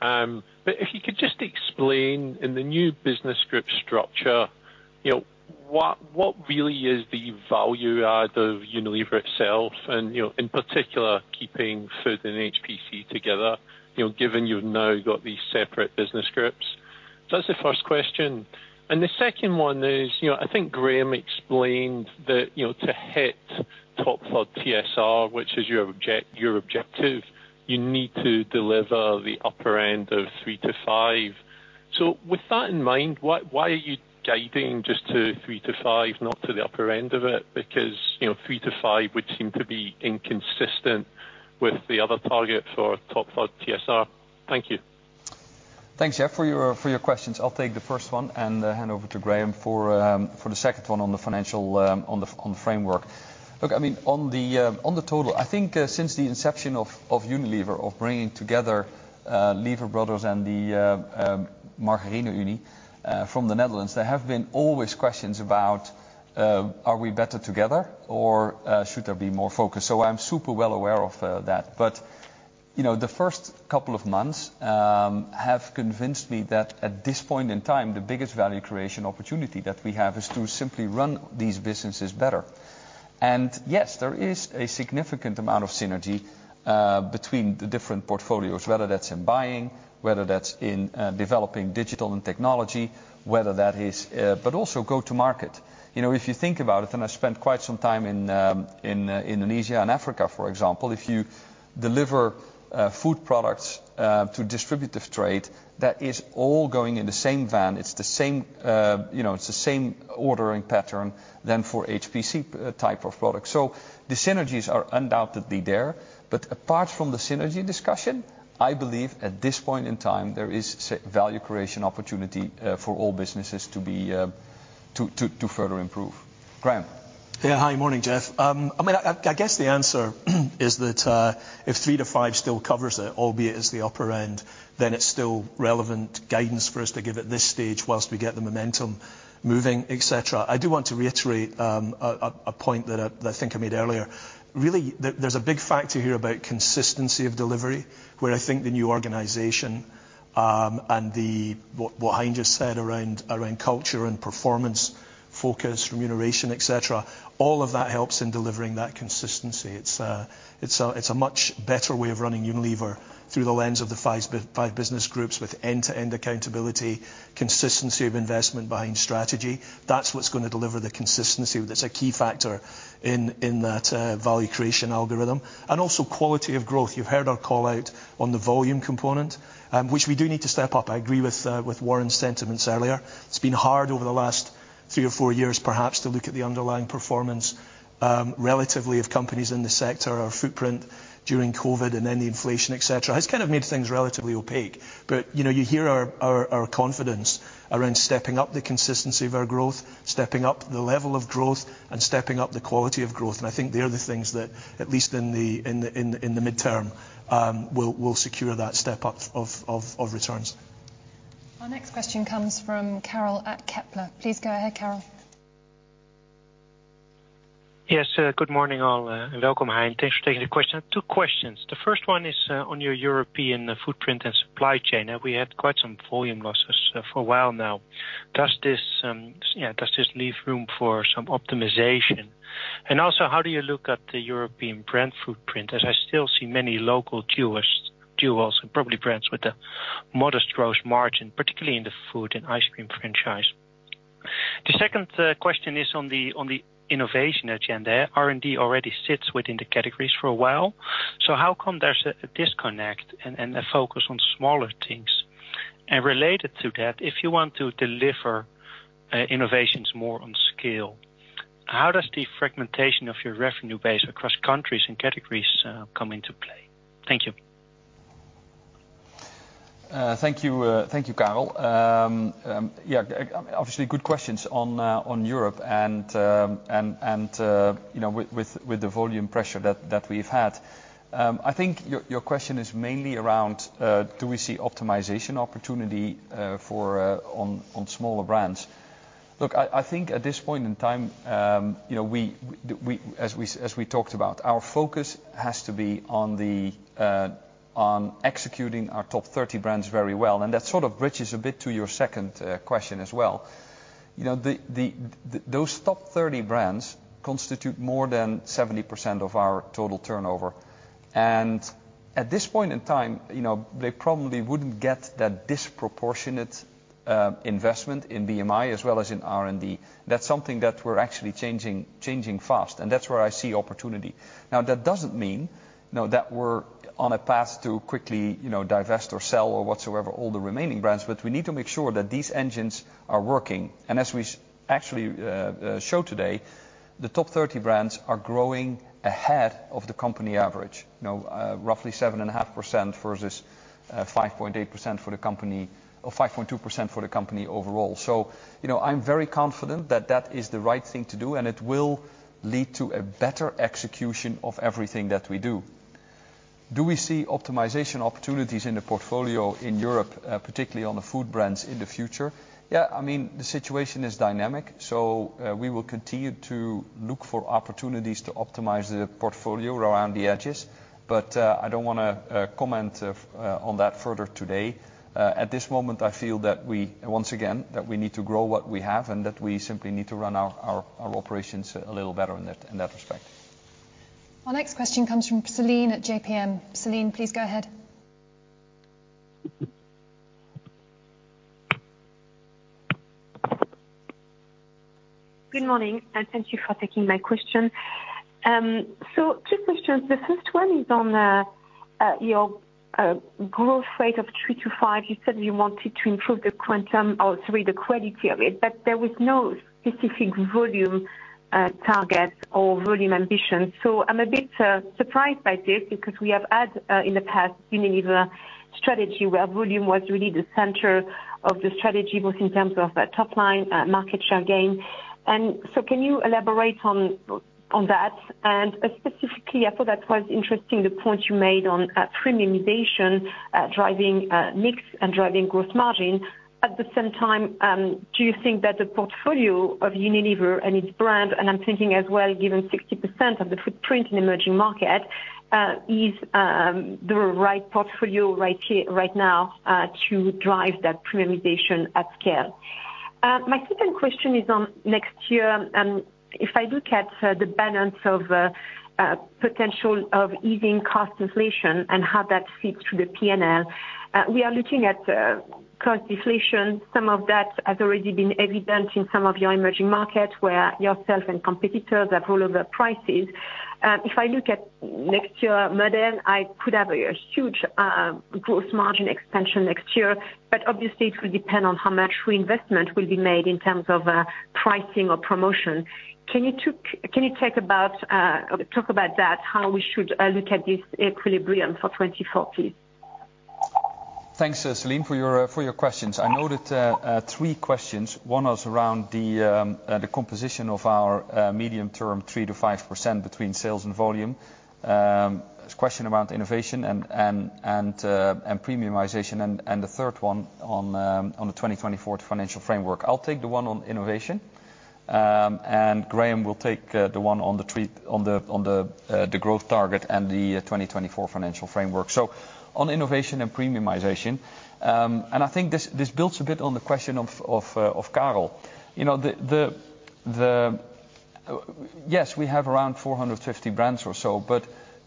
But if you could just explain, in the new business group structure, you know, what really is the value add of Unilever itself and, you know, in particular, Keeping Food and HPC together, you know, given you've now got these separate business groups? So that's the first question. And the second one is, you know, I think Graeme explained that, you know, to hit top third TSR, which is your object, your objective, you need to deliver the upper end of three to five. So with that in mind, why are you guiding just to three to five, not to the upper end of it? Because, you know, three to five would seem to be inconsistent with the other target for top third TSR. Thank you. Thanks, Jeff, for your questions. I'll take the first one and hand over to Graeme for the second one on the financial framework. Look, I mean, on the total, I think, since the inception of Unilever, of bringing together Lever Brothers and the Margarine Unie from the Netherlands, there have been always questions about, are we better together, or should there be more focus? So I'm super well aware of that. But, you know, the first couple of months have convinced me that at this point in time, the biggest value creation opportunity that we have is to simply run these businesses better. And yes, there is a significant amount of synergy between the different portfolios, whether that's in buying, whether that's in developing digital and technology, whether that is... But also go to market. You know, if you think about it, and I spent quite some time in Indonesia and Africa, for example, if you deliver food products to distributive trade, that is all going in the same van, it's the same, you know, it's the same ordering pattern than for HPC type of products. So the synergies are undoubtedly there, but apart from the synergy discussion, I believe at this point in time, there is a value creation opportunity for all businesses to be to further improve. Graeme? Yeah. Hi, morning, Jeff. I mean, I guess the answer is that if three to five still covers it, albeit as the upper end, then it's still relevant guidance for us to give at this stage whilst we get the momentum moving, et cetera. I do want to reiterate a point that I think I made earlier. Really, there's a big factor here about consistency of delivery, where I think the new organization and what Hein just said around culture and performance focus, remuneration, et cetera, all of that helps in delivering that consistency. It's a much better way of running Unilever through the lens of the five business groups with end-to-end accountability, consistency of investment behind strategy. That's what's gonna deliver the consistency. That's a key factor in that value creation algorithm. Also quality of growth. You've heard our call-out on the volume component, which we do need to step up. I agree with Warren's sentiments earlier. It's been hard over the last three or four years, perhaps, to look at the underlying performance, relatively of companies in the sector. Our footprint during COVID and then the inflation, et cetera, has kind of made things relatively opaque. But, you know, you hear our confidence around stepping up the consistency of our growth, stepping up the level of growth, and stepping up the quality of growth, and I think they are the things that, at least in the midterm, will secure that step up of returns. Our next question comes from Karel at Kepler. Please go ahead, Karel. Yes, good morning, all. Welcome, Hein. Thanks for taking the question. Two questions. The first one is on your European footprint and supply chain. Now, we had quite some volume losses for a while now. Does this leave room for some optimization? And also, how do you look at the European brand footprint, as I still see many local jewels and probably brands with a modest growth margin, particularly in the Food and Ice Cream franchise? The second question is on the innovation agenda. R&D already sits within the categories for a while, so how come there's a disconnect and a focus on smaller things? And related to that, if you want to deliver innovations more on scale, how does the fragmentation of your revenue base across countries and categories come into play? Thank you. Thank you, Karel. Yeah, obviously good questions on Europe, and you know, with the volume pressure that we've had. I think your question is mainly around, do we see optimization opportunity, for on smaller brands? Look, I think at this point in time, you know, we... As we talked about, our focus has to be on executing our top 30 brands very well, and that sort of bridges a bit to your second question as well. You know, those top 30 brands constitute more than 70% of our total turnover, and at this point in time, you know, they probably wouldn't get that disproportionate investment in BMI as well as in R&D. That's something that we're actually changing, changing fast, and that's where I see opportunity. Now, that doesn't mean, you know, that we're on a path to quickly, you know, divest or sell or whatsoever, all the remaining brands, but we need to make sure that these engines are working. And as we actually show today, the top 30 brands are growing ahead of the company average. You know, roughly 7.5% versus 5.8% for the company or 5.2% for the company overall. So, you know, I'm very confident that that is the right thing to do, and it will lead to a better execution of everything that we do. Do we see optimization opportunities in the portfolio in Europe, particularly on the food brands in the future? Yeah, I mean, the situation is dynamic, so, we will continue to look for opportunities to optimize the portfolio around the edges, but, I don't wanna, on that further today. At this moment, I feel that we, once again, that we need to grow what we have, and that we simply need to run our operations a little better in that, in that respect. Our next question comes from Celine at JPM. Celine, please go ahead. Good morning, and thank you for taking my question. So two questions. The first one is on your growth rate of three to five. You said you wanted to improve the quantum or sorry, the quality of it, but there was no specific volume target or volume ambition. So I'm a bit surprised by this, because we have had in the past Unilever strategy, where volume was really the center of the strategy, both in terms of top line market share gain. And so can you elaborate on that? And specifically, I thought that was interesting, the point you made on premiumization driving mix and driving gross margin. At the same time, do you think that the portfolio of Unilever and its brand, and I'm thinking as well, given 60% of the footprint in emerging market, is the right portfolio, right here, right now, to drive that premiumization at scale? My second question is on next year, and if I look at the balance of potential of easing cost inflation and how that feeds to the P&L, we are looking at cost deflation. Some of that has already been evident in some of your emerging markets, where yourself and competitors have rolled over prices. If I look at next year model, I could have a huge gross margin expansion next year, but obviously it will depend on how much reinvestment will be made in terms of pricing or promotion. Can you talk about talk about that, how we should look at this equilibrium for 2040? Thanks, Celine, for your questions. I noted three questions. One was around the composition of our medium-term, 3%-5% between sales and volume. A question around innovation and premiumization, and the third one on the 2024 financial framework. I'll take the one on innovation, and Graeme will take the one on the three, the growth target and the 2024 financial framework. So on innovation and premiumization, and I think this builds a bit on the question of Karel. You know, the... Yes, we have around 450 brands or so, but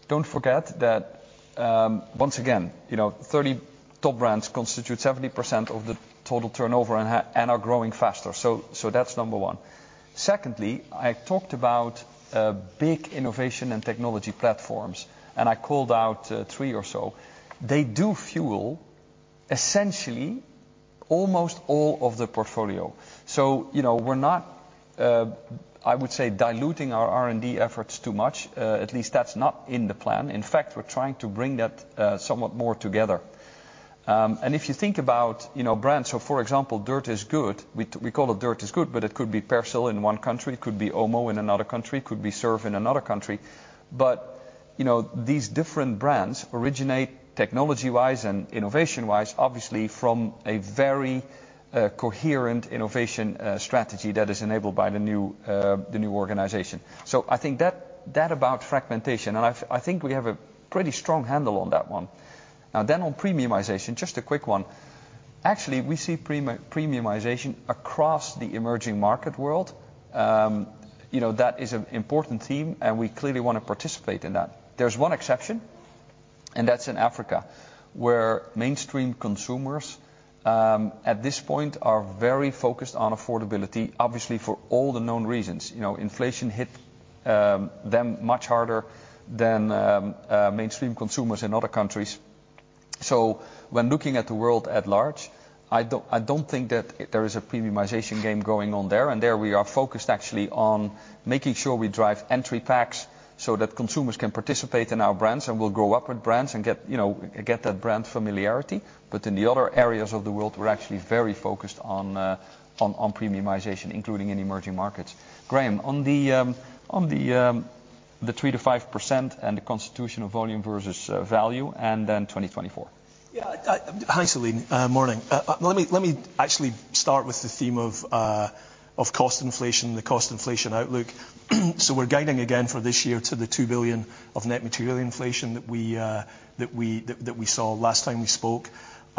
don't forget that, once again, you know, 30 top brands constitute 70% of the total turnover and are growing faster. So that's number one. Secondly, I talked about big innovation and technology platforms, and I called out three or so. They do fuel, essentially, almost all of the portfolio. So, you know, we're not, I would say, diluting our R&D efforts too much. At least that's not in the plan. In fact, we're trying to bring that somewhat more together. And if you think about, you know, brands, so for example, Dirt Is Good. We call it Dirt Is Good, but it could be Persil in one country, it could be OMO in another country, it could be Surf in another country. But, you know, these different brands originate technology-wise and innovation-wise, obviously, from a very coherent innovation strategy that is enabled by the new, the new organization. So I think that, that about fragmentation, and I, I think we have a pretty strong handle on that one. Now, then on premiumization, just a quick one. Actually, we see premiumization across the emerging market world. You know, that is an important theme, and we clearly want to participate in that. There's one exception, and that's in Africa, where mainstream consumers at this point are very focused on affordability, obviously, for all the known reasons. You know, inflation hit them much harder than mainstream consumers in other countries. So when looking at the world at large, I don't think that there is a premiumization game going on there, and there we are focused actually on making sure we drive entry packs so that consumers can participate in our brands and will grow up with brands and get, you know, get that brand familiarity. But in the other areas of the world, we're actually very focused on on premiumization, including in emerging markets. Graeme, on the the 3%-5% and the constitution of volume versus value, and then 2024. Yeah, hi, Celine. Morning. Let me actually start with the theme of cost inflation, the cost inflation outlook. So we're guiding again for this year to the 2 billion of net material inflation that we saw last time we spoke.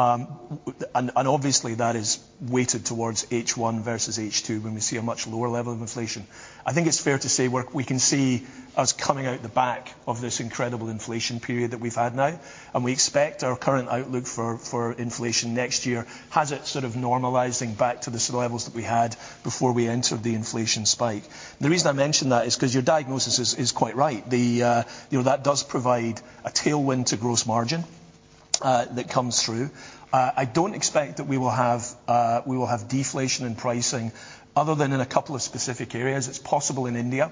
And obviously, that is weighted towards H1 versus H2, when we see a much lower level of inflation. I think it's fair to say, we can see us coming out the back of this incredible inflation period that we've had now, and we expect our current outlook for inflation next year has it sort of normalizing back to the sort of levels that we had before we entered the inflation spike. The reason I mention that is 'cause your diagnosis is quite right. The... You know, that does provide a tailwind to gross margin. That comes through. I don't expect that we will have deflation in pricing other than in a couple of specific areas. It's possible in India,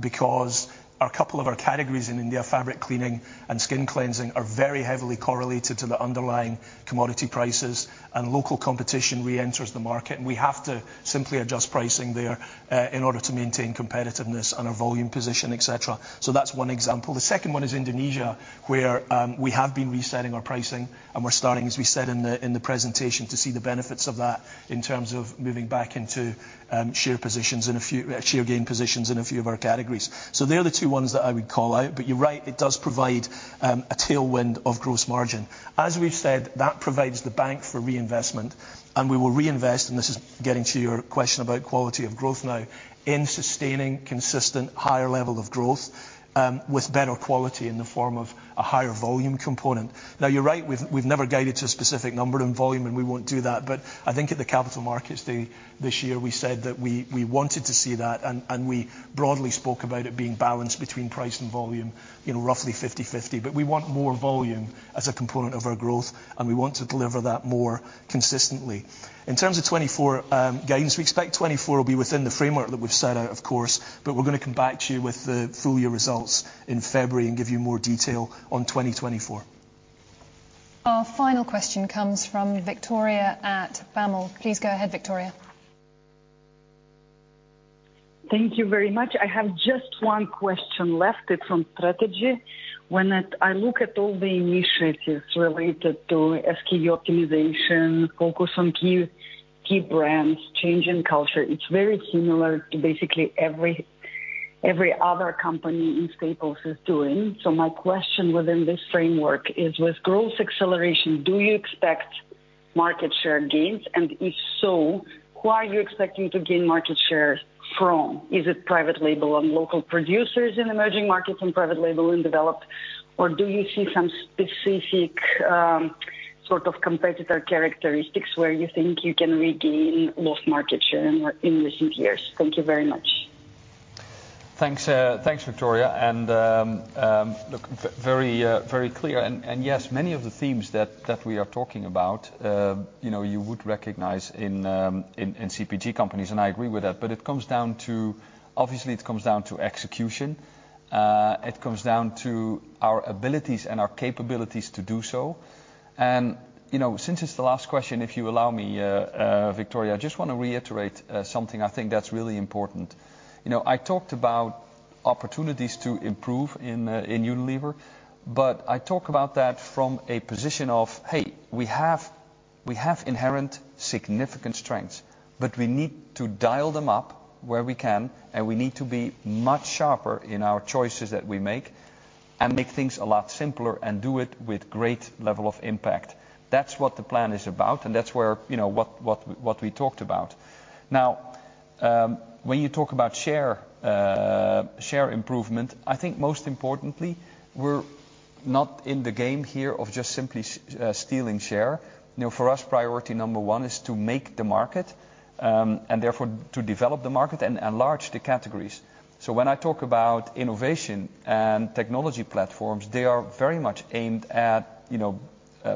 because a couple of our categories in India, fabric cleaning and skin cleansing, are very heavily correlated to the underlying commodity prices, and local competition reenters the market, and we have to simply adjust pricing there, in order to maintain competitiveness and our volume position, et cetera. So that's one example. The second one is Indonesia, where we have been resetting our pricing, and we're starting, as we said in the presentation, to see the benefits of that in terms of moving back into share gain positions in a few of our categories. So they're the two ones that I would call out, but you're right, it does provide a tailwind of gross margin. As we've said, that provides the bank for reinvestment, and we will reinvest, and this is getting to your question about quality of growth now, in sustaining consistent higher level of growth with better quality in the form of a higher volume component. Now, you're right, we've, we've never guided to a specific number in volume, and we won't do that. But I think at the Capital Markets Day this year, we said that we, we wanted to see that, and, and we broadly spoke about it being balanced between price and volume, you know, roughly 50/50. But we want more volume as a component of our growth, and we want to deliver that more consistently. In terms of 2024 gains, we expect 2024 will be within the framework that we've set out, of course, but we're gonna come back to you with the full year results in February and give you more detail on 2024. Our final question comes from Victoria at BAML. Please go ahead, Victoria. Thank you very much. I have just one question left. It's on strategy. When I, I look at all the initiatives related to SKU optimization, focus on key, key brands, change in culture, it's very similar to basically every, every other company in staples is doing. So my question within this framework is, with growth acceleration, do you expect market share gains? And if so, who are you expecting to gain market share from? Is it private label and local producers in emerging markets and private label in developed, or do you see some specific, sort of competitor characteristics where you think you can regain lost market share in, in recent years? Thank you very much. Thanks, thanks, Victoria, and look, very, very clear. Yes, many of the themes that we are talking about, you know, you would recognize in CPG companies, and I agree with that. But it comes down to... Obviously, it comes down to execution. It comes down to our abilities and our capabilities to do so. And you know, since it's the last question, if you allow me, Victoria, I just want to reiterate something I think that's really important. You know, I talked about opportunities to improve in Unilever, but I talk about that from a position of, hey, we have, we have inherent significant strengths, but we need to dial them up where we can, and we need to be much sharper in our choices that we make and make things a lot simpler and do it with great level of impact. That's what the plan is about, and that's where, you know, what, what, what we talked about. Now, when you talk about share, share improvement, I think most importantly, we're not in the game here of just simply stealing share. You know, for us, priority number one is to make the market, and therefore, to develop the market and enlarge the categories. So when I talk about innovation and technology platforms, they are very much aimed at, you know,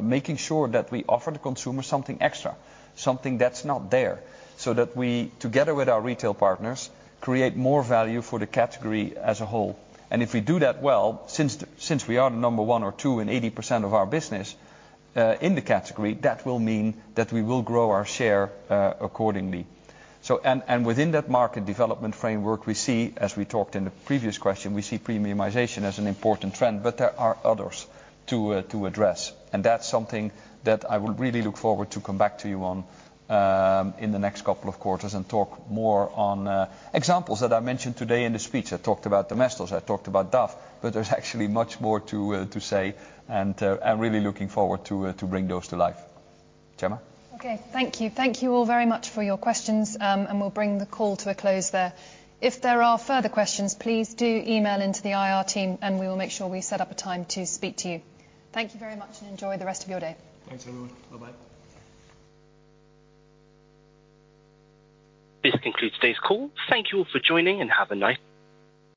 making sure that we offer the consumer something extra, something that's not there, so that we, together with our retail partners, create more value for the category as a whole. And if we do that well, since, since we are the number one or two in 80% of our business, in the category, that will mean that we will grow our share, accordingly. Within that market development framework, we see, as we talked in the previous question, we see premiumization as an important trend, but there are others to address, and that's something that I would really look forward to come back to you on in the next couple of quarters and talk more on examples that I mentioned today in the speech. I talked about Domestos, I talked about Dove, but there's actually much more to say, and I'm really looking forward to bring those to life. Jemma? Okay. Thank you. Thank you all very much for your questions, and we'll bring the call to a close there. If there are further questions, please do email in to the IR team, and we will make sure we set up a time to speak to you. Thank you very much, and enjoy the rest of your day. Thanks, everyone. Bye-bye. This concludes today's call. Thank you all for joining, and have a nice-